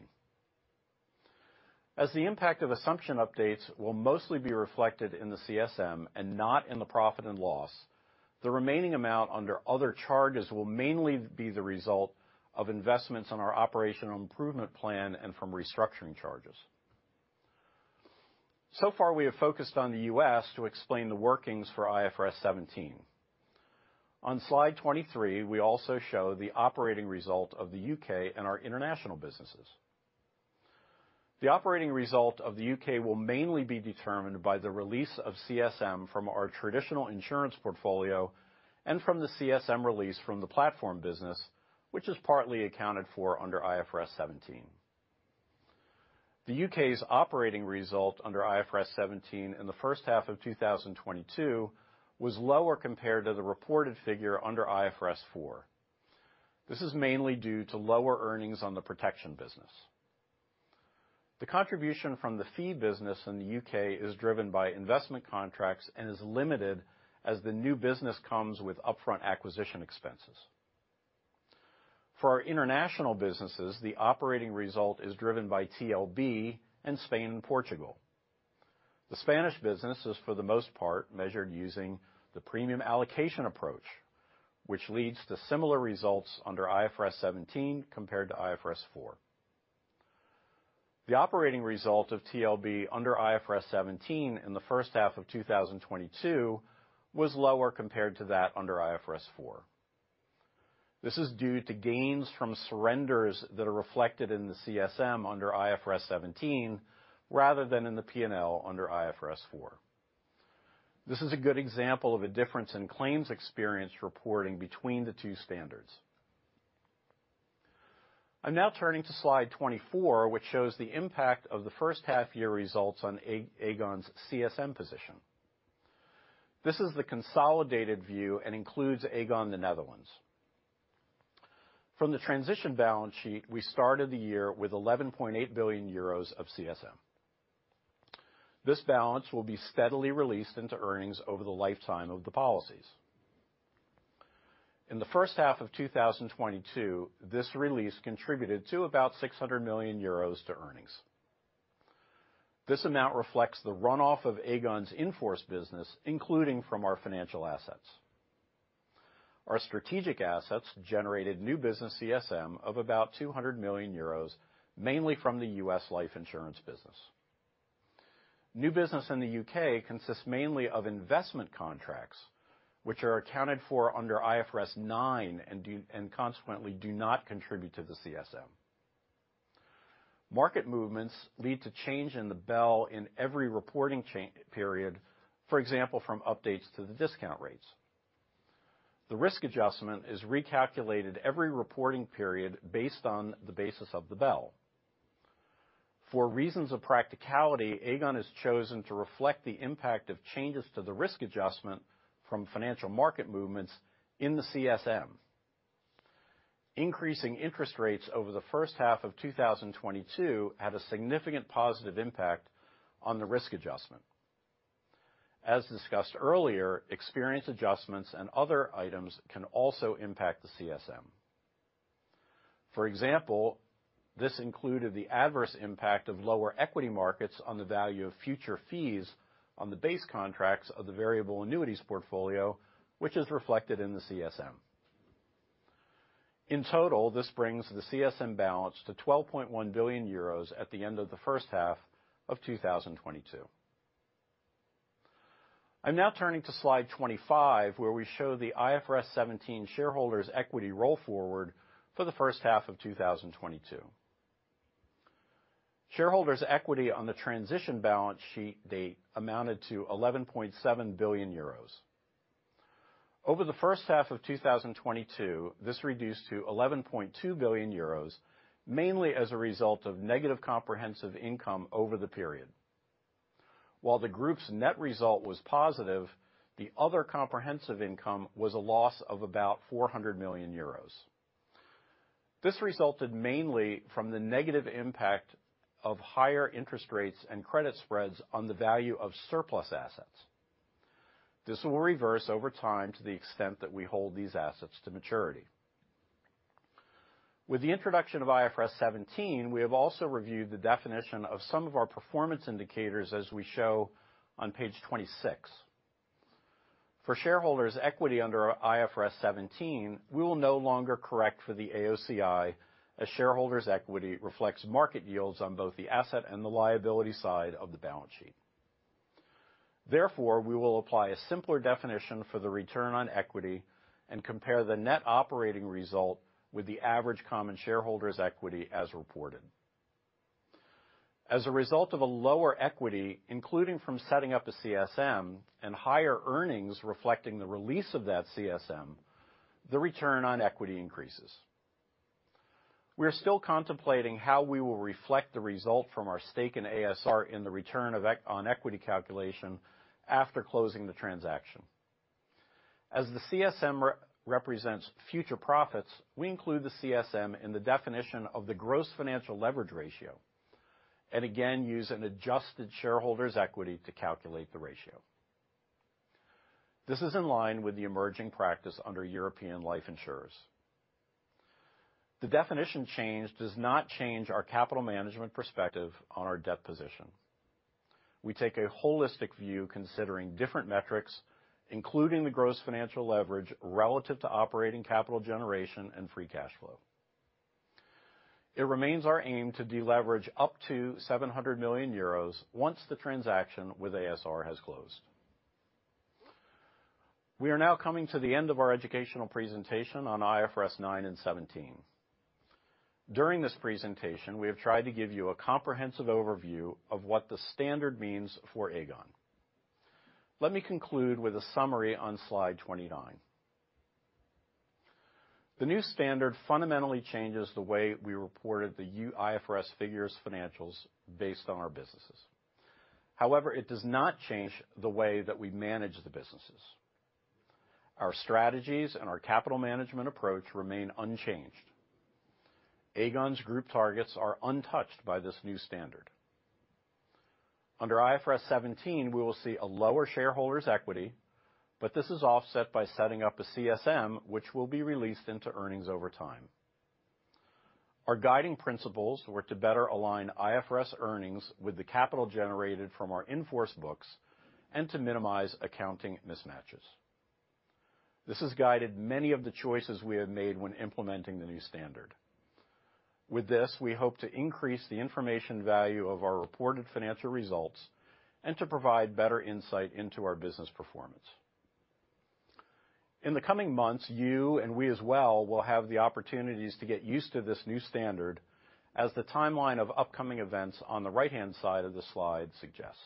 The impact of assumption updates will mostly be reflected in the CSM and not in the profit and loss, the remaining amount under other charges will mainly be the result of investments on our operational improvement plan and from restructuring charges. Far, we have focused on the U.S. to explain the workings for IFRS 17. On slide 23, we also show the operating result of the U.K. and our international businesses. The operating result of the U.K. will mainly be determined by the release of CSM from our traditional insurance portfolio and from the CSM release from the platform business, which is partly accounted for under IFRS 17. The U.K.'s operating result under IFRS 17 in the first half of 2022 was lower compared to the reported figure under IFRS 4. This is mainly due to lower earnings on the protection business. The contribution from the fee business in the U.K. is driven by investment contracts and is limited as the new business comes with upfront acquisition expenses. For our international businesses, the operating result is driven by TLB and Spain and Portugal. The Spanish business is, for the most part, measured using the premium allocation approach, which leads to similar results under IFRS 17 compared to IFRS 4. The operating result of TLB under IFRS 17 in the first half of 2022 was lower compared to that under IFRS 4. This is due to gains from surrenders that are reflected in the CSM under IFRS 17, rather than in the P&L under IFRS 4. This is a good example of a difference in claims experience reporting between the two standards. I'm now turning to slide 24, which shows the impact of the first half year results on Aegon's CSM position. This is the consolidated view and includes Aegon, the Netherlands. From the transition balance sheet, we started the year with 11.8 billion euros of CSM. This balance will be steadily released into earnings over the lifetime of the policies. In the first half of 2022, this release contributed to about 600 million euros to earnings. This amount reflects the runoff of Aegon's in-force business, including from our financial assets. Our strategic assets generated new business CSM of about 200 million euros, mainly from the U.S. life insurance business. New business in the U.K. consists mainly of investment contracts, which are accounted for under IFRS 9 and consequently do not contribute to the CSM. Market movements lead to change in the BEL in every reporting period, for example, from updates to the discount rates. The risk adjustment is recalculated every reporting period based on the basis of the BEL. For reasons of practicality, Aegon has chosen to reflect the impact of changes to the risk adjustment from financial market movements in the CSM. Increasing interest rates over the first half of 2022 had a significant positive impact on the risk adjustment. As discussed earlier, experience adjustments and other items can also impact the CSM. For example, this included the adverse impact of lower equity markets on the value of future fees on the base contracts of the variable annuities portfolio, which is reflected in the CSM. In total, this brings the CSM balance to 12.1 billion euros at the end of the first half of 2022. I'm now turning to slide 25, where we show the IFRS 17 shareholders' equity roll forward for the first half of 2022. Shareholders' equity on the transition balance sheet date amounted to 11.7 billion euros. Over the first half of 2022, this reduced to 11.2 billion euros, mainly as a result of negative comprehensive income over the period. While the group's net result was positive, the other comprehensive income was a loss of about 400 million euros. This resulted mainly from the negative impact of higher interest rates and credit spreads on the value of surplus assets. This will reverse over time to the extent that we hold these assets to maturity. With the introduction of IFRS 17, we have also reviewed the definition of some of our performance indicators as we show on page 26. For shareholders' equity under IFRS 17, we will no longer correct for the AOCI as shareholders' equity reflects market yields on both the asset and the liability side of the balance sheet. Therefore, we will apply a simpler definition for the return on equity and compare the net operating result with the average common shareholders' equity as reported. As a result of a lower equity, including from setting up a CSM and higher earnings reflecting the release of that CSM, the return on equity increases. We are still contemplating how we will reflect the result from our stake in a.s.r. in the return on equity calculation after closing the transaction. As the CSM re-represents future profits, we include the CSM in the definition of the gross financial leverage ratio and again, use an adjusted shareholders' equity to calculate the ratio. This is in line with the emerging practice under European life insurers. The definition change does not change our capital management perspective on our debt position. We take a holistic view considering different metrics, including the gross financial leverage relative to operating capital generation and free cash flow. It remains our aim to deleverage up to 700 million euros once the transaction with a.s.r. has closed. We are now coming to the end of our educational presentation on IFRS 9 and IFRS 17. During this presentation, we have tried to give you a comprehensive overview of what the standard means for Aegon. Let me conclude with a summary on slide 29. The new standard fundamentally changes the way we reported the IFRS figures financials based on our businesses. However, it does not change the way that we manage the businesses. Our strategies and our capital management approach remain unchanged. Aegon's group targets are untouched by this new standard. Under IFRS 17, we will see a lower shareholders' equity, but this is offset by setting up a CSM which will be released into earnings over time. Our guiding principles were to better align IFRS earnings with the capital generated from our in-force books and to minimize accounting mismatches. This has guided many of the choices we have made when implementing the new standard. With this, we hope to increase the information value of our reported financial results and to provide better insight into our business performance. In the coming months, you and we as well will have the opportunities to get used to this new standard as the timeline of upcoming events on the right-hand side of this slide suggests.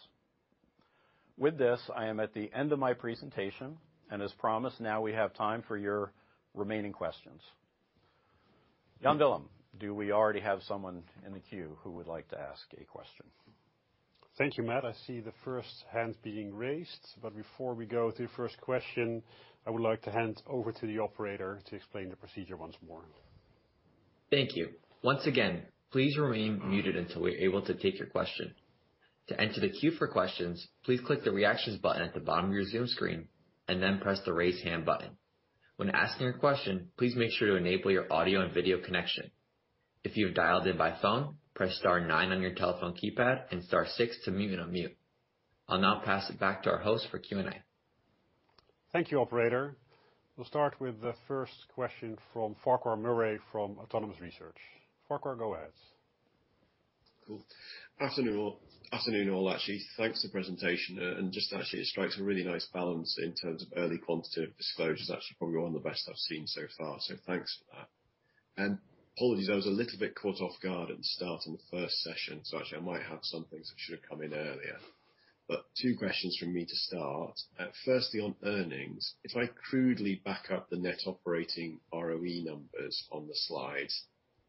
With this, I am at the end of my presentation, and as promised, now we have time for your remaining questions. Jan-Willem, do we already have someone in the queue who would like to ask a question? Thank you, Matt. I see the first hand being raised, but before we go to first question, I would like to hand over to the operator to explain the procedure once more. Thank you. Once again, please remain muted until we're able to take your question. To enter the queue for questions, please click the reactions button at the bottom of your Zoom screen and then press the Raise Hand button. When asking your question, please make sure to enable your audio and video connection. If you have dialed in by phone, press star nine on your telephone keypad and star six to mute and unmute. I'll now pass it back to our host for Q&A. Thank you, operator. We'll start with the first question from Farquhar Murray from Autonomous Research. Farquhar, go ahead. Cool. Afternoon. Afternoon, all. Actually, thanks for the presentation. Just actually, it strikes a really nice balance in terms of early quantitative disclosures. Actually, probably one of the best I've seen so far, so thanks for that. Apologies, I was a little bit caught off guard at the start in the first session, so actually I might have some things which should have come in earlier. Two questions from me to start. Firstly, on earnings. If I crudely back up the net operating ROE numbers on the slide,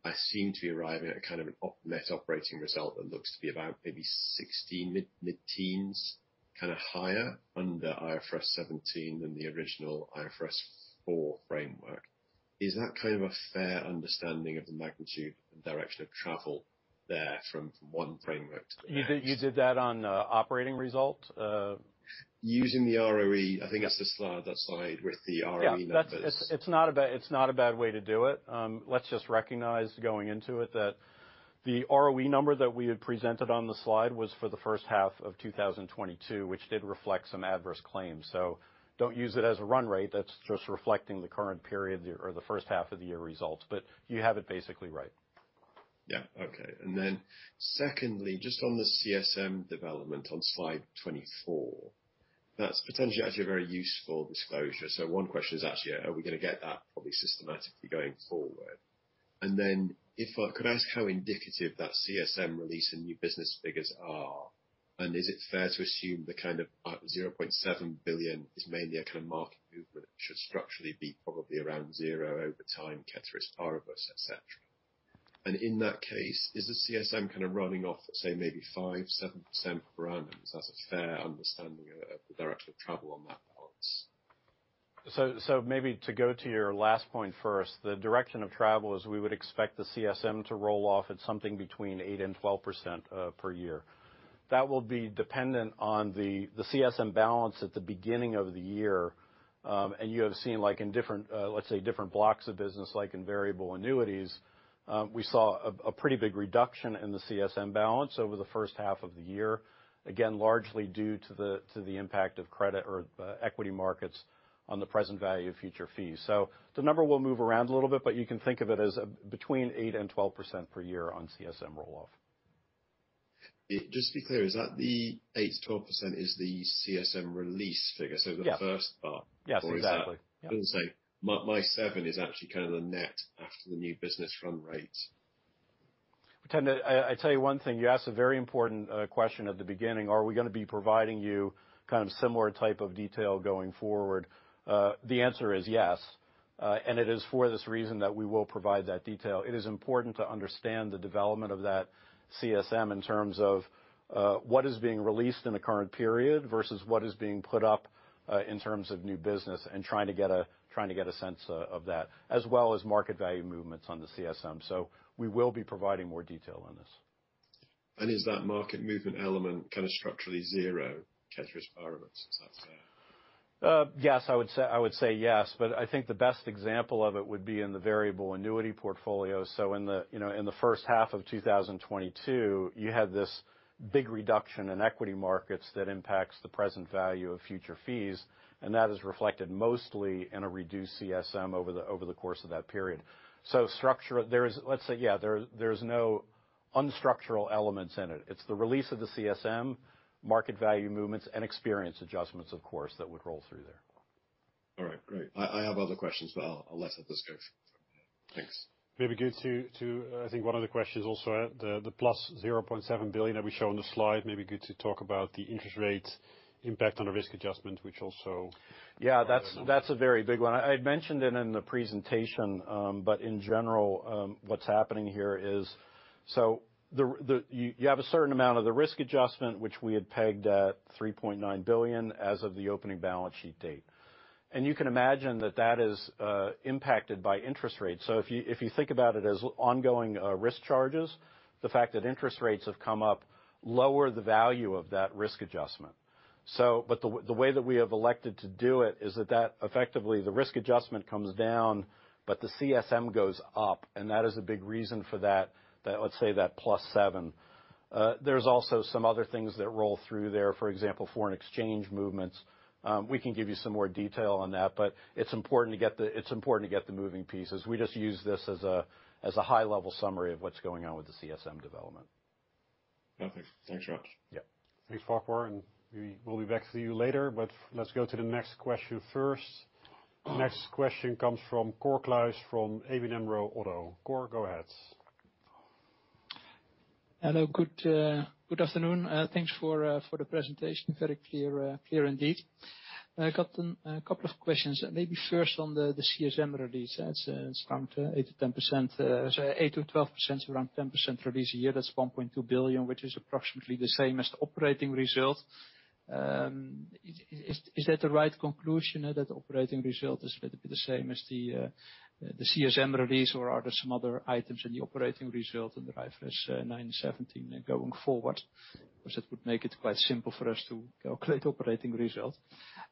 I seem to be arriving at a kind of a net operating result that looks to be about maybe 16, mid-teens, kind of higher under IFRS 17 than the original IFRS 4 framework. Is that kind of a fair understanding of the magnitude and direction of travel there from one framework to the next? You did that on operating result? Using the ROE, I think that slide with the ROE numbers. Yeah. It's not a bad, it's not a bad way to do it. Let's just recognize going into it that the ROE number that we had presented on the slide was for the first half of 2022, which did reflect some adverse claims. Don't use it as a run rate. That's just reflecting the current period or the first half of the year results. You have it basically right. Yeah. Okay. Secondly, just on the CSM development on slide 24. That's potentially actually a very useful disclosure. One question is actually are we gonna get that probably systematically going forward? If I could ask how indicative that CSM release and new business figures are, and is it fair to assume the kind of 0.7 billion is mainly a kind of market movement should structurally be probably around zero over time, ceteris paribus, et cetera? In that case, is the CSM kind of running off at, say, maybe 5%-7% per annum? Is that a fair understanding of the direction of travel on that balance? Maybe to go to your last point first. The direction of travel is we would expect the CSM to roll off at something between 8% and 12% per year. That will be dependent on the CSM balance at the beginning of the year. And you have seen like in different, let's say, different blocks of business, like in variable annuities, we saw a pretty big reduction in the CSM balance over the first half of the year. Again, largely due to the impact of credit or equity markets on the present value of future fees. The number will move around a little bit, but you can think of it as between 8% and 12% per year on CSM roll-off. Just to be clear, is that the 8%-12% is the CSM release figure? Yeah. The first part. Yes, exactly. Yeah. I wouldn't say my seven is actually kind of the net after the new business run rates. I tell you one thing, you asked a very important question at the beginning. Are we gonna be providing you kind of similar type of detail going forward? The answer is yes. It is for this reason that we will provide that detail. It is important to understand the development of that CSM in terms of what is being released in the current period versus what is being put up in terms of new business and trying to get a sense of that, as well as market value movements on the CSM. We will be providing more detail on this. Is that market movement element structurally zero, ceteris paribus? Is that fair? Yes. I would say, I would say yes, but I think the best example of it would be in the variable annuity portfolio. In the, you know, in the first half of 2022, you had this big reduction in equity markets that impacts the present value of future fees, and that is reflected mostly in a reduced CSM over the, over the course of that period. There is, let's say, yeah, there's no unstructured elements in it. It's the release of the CSM, market value movements, and experience adjustments, of course, that would roll through there. All right. Great. I have other questions. I'll let it at this go. Thanks. Maybe good to I think one of the questions also the + 0.7 billion that we show on the slide, maybe good to talk about the interest rate impact on the risk adjustment. Yeah, that's a very big one. I'd mentioned it in the presentation, but in general, what's happening here is, you have a certain amount of the risk adjustment, which we had pegged at 3.9 billion as of the opening balance sheet date. You can imagine that that is impacted by interest rates. If you think about it as ongoing, risk charges, the fact that interest rates have come up lower the value of that risk adjustment. The way that we have elected to do it is that effectively the risk adjustment comes down but the CSM goes up, and that is a big reason for that, let's say, that +7. There's also some other things that roll through there, for example, foreign exchange movements. We can give you some more detail on that. It's important to get the moving pieces. We just use this as a high-level summary of what's going on with the CSM development. Yeah, thanks. Thanks very much. Yeah. Thanks, Farquhar. We will be back to you later. Let's go to the next question first. Next question comes from Cor Kluis from ABN AMRO Oddo BHF. Cor, go ahead. Hello, good afternoon. Thanks for the presentation. Very clear indeed. I got a couple of questions. Maybe first on the CSM release. It's down to 8%-10%, so 8%-12%, around 10% release a year. That's 1.2 billion, which is approximately the same as the operating result. Is that the right conclusion that the operating result is going to be the same as the CSM release, or are there some other items in the operating result in the IFRS 9 and IFRS 17 going forward? It would make it quite simple for us to calculate operating results.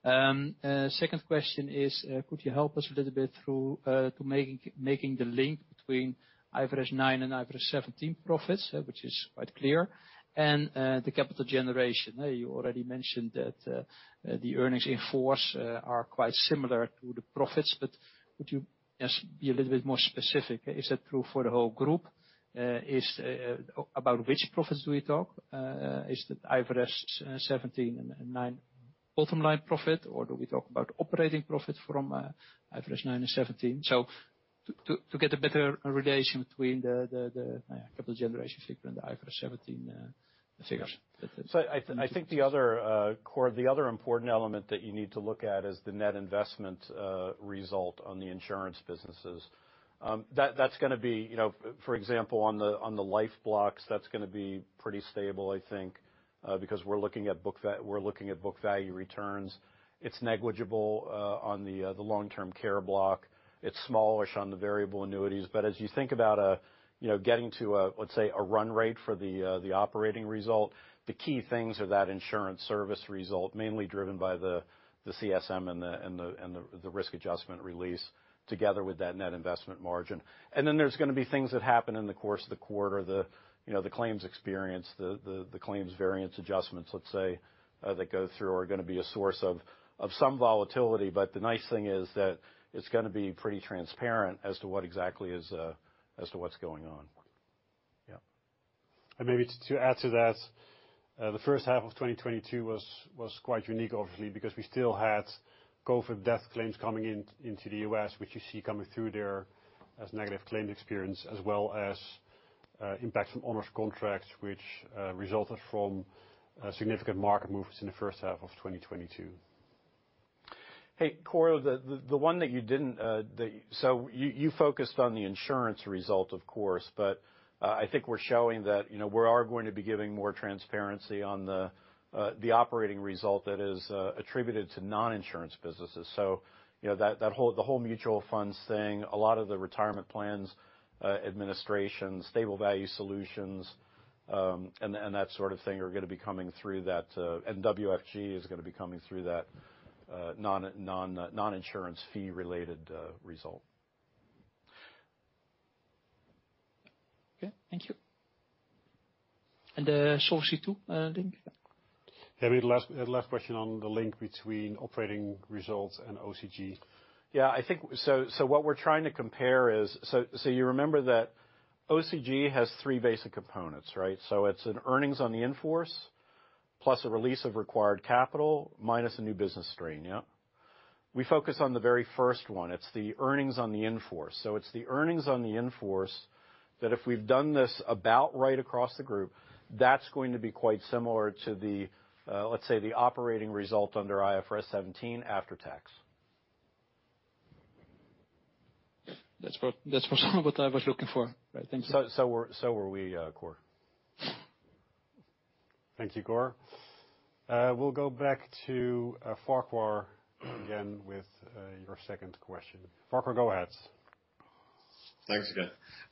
Second question is, could you help us a little bit through to making the link between IFRS 9 and IFRS 17 profits, which is quite clear, and the capital generation? You already mentioned that the earnings in force are quite similar to the profits. Could you just be a little bit more specific? Is that true for the whole group? About which profits do we talk? Is it IFRS 17 and IFRS 9 bottom line profit, or do we talk about operating profit from IFRS 9 and IFRS 17? To get a better relation between the capital generation figure and the IFRS 17 figures. I think the other, Cor, the other important element that you need to look at is the net investment result on the insurance businesses. That's gonna be, you know, for example, on the, on the life blocks, that's gonna be pretty stable, I think, because we're looking at book value returns. It's negligible on the long-term care block. It's small-ish on the variable annuities. As you think about, you know, getting to a, let's say, a run rate for the operating result, the key things are that insurance service result, mainly driven by the CSM and the risk adjustment release together with that net investment margin. There's gonna be things that happen in the course of the quarter. The, you know, the claims experience, the claims variance adjustments, let's say, that go through are gonna be a source of some volatility. The nice thing is that it's gonna be pretty transparent as to what exactly is as to what's going on. Yeah. Maybe to add to that, the first half of 2022 was quite unique obviously, because we still had COVID-19 death claims coming in, into the U.S., which you see coming through there as negative claim experience, as well as, impact from onerous contracts which resulted from significant market movements in the first half of 2022. Hey, Cor, the one that you didn't. You focused on the insurance result, of course, but I think we're showing that, you know, we are going to be giving more transparency on the operating result that is attributed to non-insurance businesses. You know, the whole Mutual Funds thing, a lot of the Retirement Plans administration, Stable Value Solutions, and that sort of thing are gonna be coming through that. WFG is gonna be coming through that non-insurance fee related result. Okay. Thank you. Sophie too, I think. Yeah, we had last question on the link between operating results and OCG. I think what we're trying to compare is. You remember that OCG has three basic components, right? It's an earnings on the in-force plus a release of required capital minus a new business strain. We focus on the very first one. It's the earnings on the in-force. It's the earnings on the in-force that if we've done this about right across the group, that's going to be quite similar to the, let's say, the operating result under IFRS 17 after tax. That's what I was looking for. Right. Thank you. So were we, Cor. Thank you, Cor. We'll go back to Farquhar again with your second question. Farquhar, go ahead. Thanks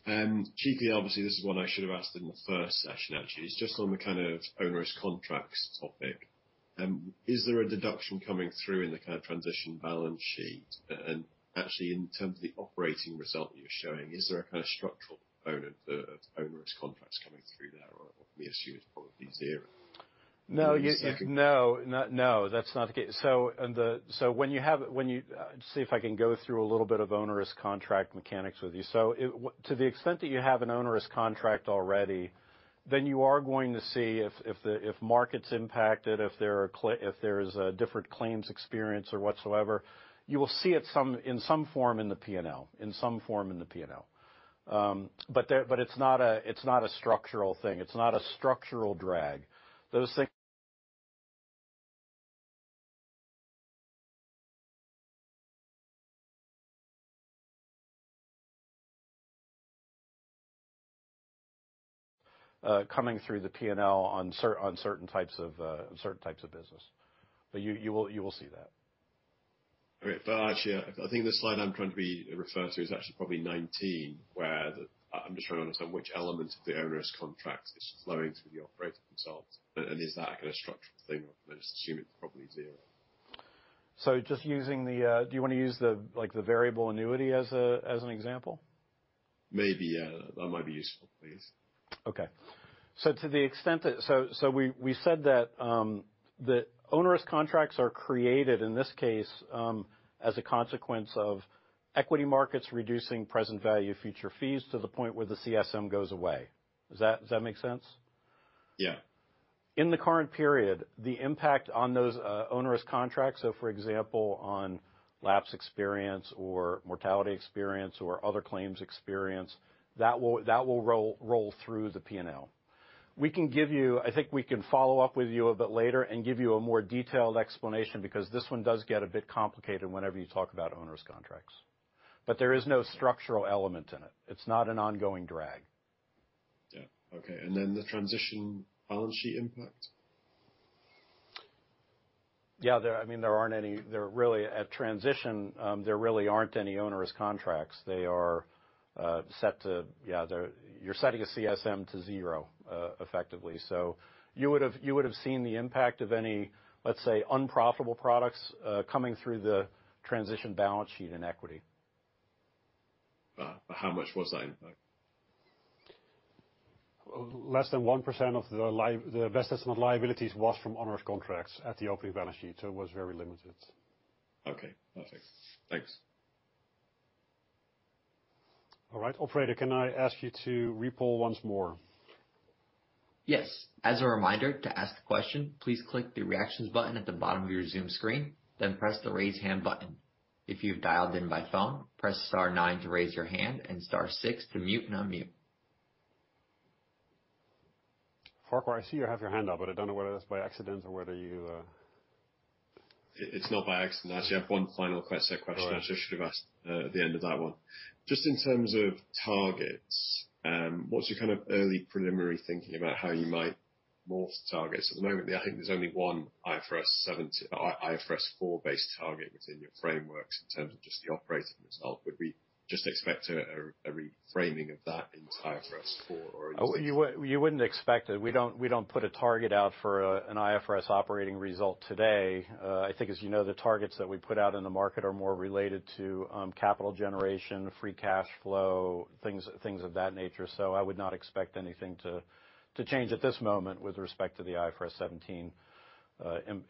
again. Chiefly, obviously, this is one I should have asked in the first session actually. It's just on the kind of onerous contracts topic. Is there a deduction coming through in the kind of transition balance sheet? Actually, in terms of the operating result that you're showing, is there a kind of structural component of onerous contracts coming through there, or we assume it's probably zero? No. No, that's not the case. Let's see if I can go through a little bit of onerous contract mechanics with you. To the extent that you have an onerous contract already, then you are going to see if the market's impacted, if there's a different claims experience or whatsoever, you will see it in some form in the P&L, in some form in the P&L. It's not a structural thing. It's not a structural drag. Those things coming through the P&L on certain types of business. You will see that. All right. Actually, I think the slide I'm trying to refer to is actually probably 19, where the. I'm just trying to understand which element of the onerous contract is flowing through the operating results, and is that kind of structural thing. I just assume it's probably zero. Just using the Do you wanna use the, like, the variable annuity as an example? Maybe, yeah. That might be useful, please. Okay. To the extent that...We said that onerous contracts are created in this case, as a consequence of equity markets reducing present value future fees to the point where the CSM goes away. Does that make sense? Yeah. In the current period, the impact on those, onerous contracts, so for example, on lapse experience or mortality experience or other claims experience, that will roll through the P&L. We can give you. I think we can follow up with you a bit later and give you a more detailed explanation because this one does get a bit complicated whenever you talk about onerous contracts. There is no structural element in it. It's not an ongoing drag. Yeah. Okay. Then the transition balance sheet impact? At transition, there really aren't any onerous contracts. You're setting a CSM to zero effectively. You would've seen the impact of any, let's say, unprofitable products coming through the transition balance sheet in equity. How much was that impact? Less than 1% of the best estimate liabilities was from onerous contracts at the opening balance sheet. It was very limited. Okay. Perfect. Thanks. All right. Operator, can I ask you to repoll once more? Yes. As a reminder, to ask a question, please click the Reactions button at the bottom of your Zoom screen, then press the Raise Hand button. If you've dialed in by phone, press star nine to raise your hand and star six to mute and unmute. Farquhar, I see you have your hand up, but I don't know whether that's by accident or whether you. It's not by accident, actually. I have one final question. All right. I should have asked at the end of that one. Just in terms of targets, what's your kind of early preliminary thinking about how you might morph the targets? At the moment, I think there's only one IFRS 17... IFRS 4 based target within your frameworks in terms of just the operating result. Would we just expect a reframing of that in IFRS 4 or? You wouldn't expect it. We don't put a target out for an IFRS operating result today. I think as you know, the targets that we put out in the market are more related to capital generation, free cashflow, things of that nature. I would not expect anything to change at this moment with respect to the IFRS 17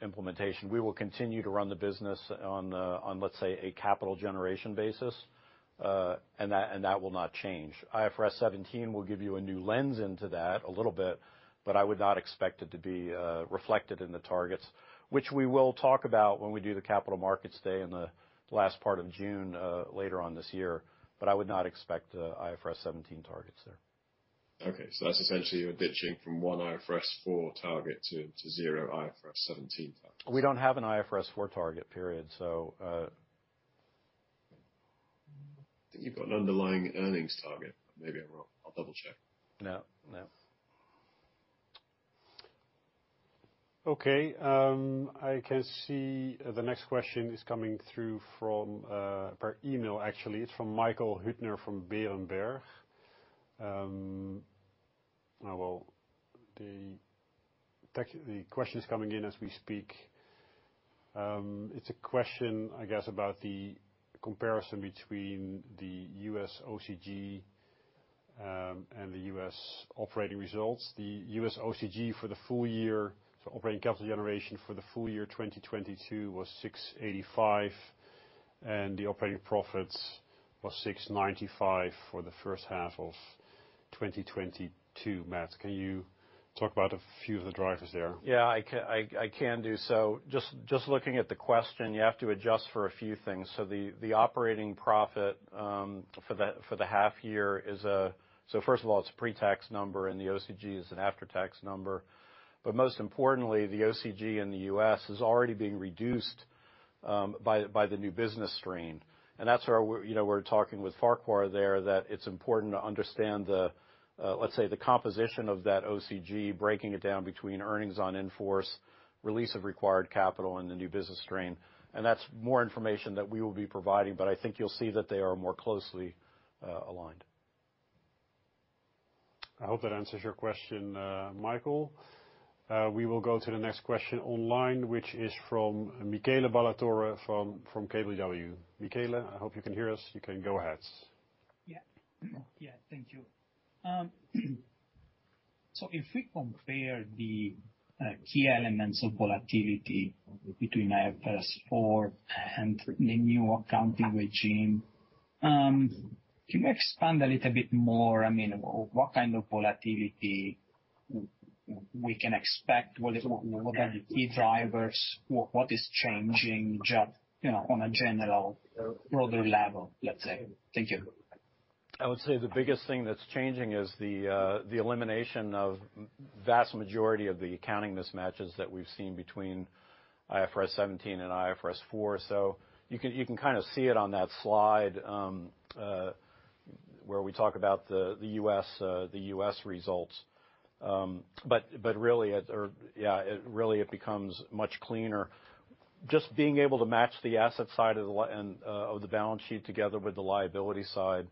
implementation. We will continue to run the business on, let's say, a capital generation basis. That will not change. IFRS 17 will give you a new lens into that a little bit, but I would not expect it to be reflected in the targets, which we will talk about when we do the capital markets day in the last part of June later on this year. I would not expect IFRS 17 targets there. Okay. That's essentially you're ditching from one IFRS 4 target to zero IFRS 17 targets. We don't have an IFRS 4 target, period. I think you've got an underlying earnings target. Maybe I'm wrong. I'll double-check. No. No. I can see the next question is coming through from per email, actually. It's from Michael Huttner from Berenberg. Well, the question's coming in as we speak. It's a question, I guess, about the comparison between the US OCG and the US operating results. The US OCG for the full year, so operating capital generation for the full year 2022 was $685, and the operating profits was $695 for the first half of 2022. Matt, can you talk about a few of the drivers there? Yeah. I can do so. Just, just looking at the question, you have to adjust for a few things. The operating profit for the half year is... First of all, it's pre-tax number, and the OCG is an after-tax number. Most importantly, the OCG in the US is already being reduced by the new business strain. That's where we're, you know, we're talking with Farquhar there that it's important to understand, let's say, the composition of that OCG, breaking it down between earnings on in-force, release of required capital and the new business strain. That's more information that we will be providing, but I think you'll see that they are more closely aligned. I hope that answers your question, Michael. We will go to the next question online, which is from Michele Ballatore from KBW. Michele, I hope you can hear us. You can go ahead. Yeah. Thank you. If we compare the key elements of volatility between IFRS 4 and the new accounting regime, can you expand a little bit more? I mean, what kind of volatility we can expect? What are the key drivers? What is changing You know, on a general broader level, let's say? Thank you. I would say the biggest thing that's changing is the elimination of vast majority of the accounting mismatches that we've seen between IFRS 17 and IFRS 4. You can kind of see it on that slide, where we talk about the U.S. results. Really, it becomes much cleaner. Just being able to match the asset side of the balance sheet together with the liability side is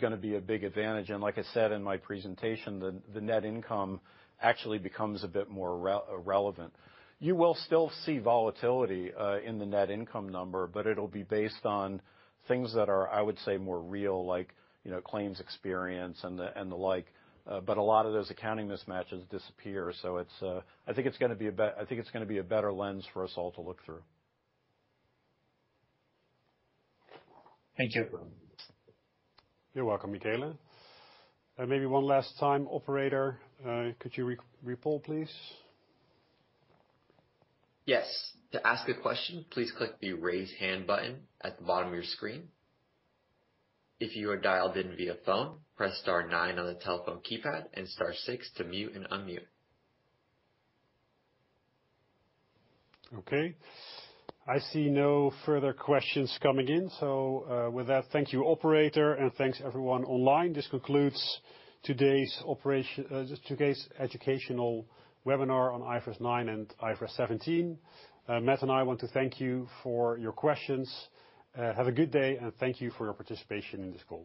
gonna be a big advantage. Like I said in my presentation, the net income actually becomes a bit more re-relevant. You will still see volatility in the net income number, but it'll be based on things that are, I would say, more real, like, you know, claims experience and the like. A lot of those accounting mismatches disappear. I think it's gonna be a better lens for us all to look through. Thank you. You're welcome, Michele. Maybe one last time, operator, could you re-poll, please? Yes. To ask a question, please click the Raise Hand button at the bottom of your screen. If you are dialed in via phone, press star nine on the telephone keypad, and star six to mute and unmute. Okay. I see no further questions coming in. With that, thank you, operator, and thanks, everyone online. This concludes today's educational webinar on IFRS 9 and IFRS 17. Matt and I want to thank you for your questions. Have a good day, and thank you for your participation in this call.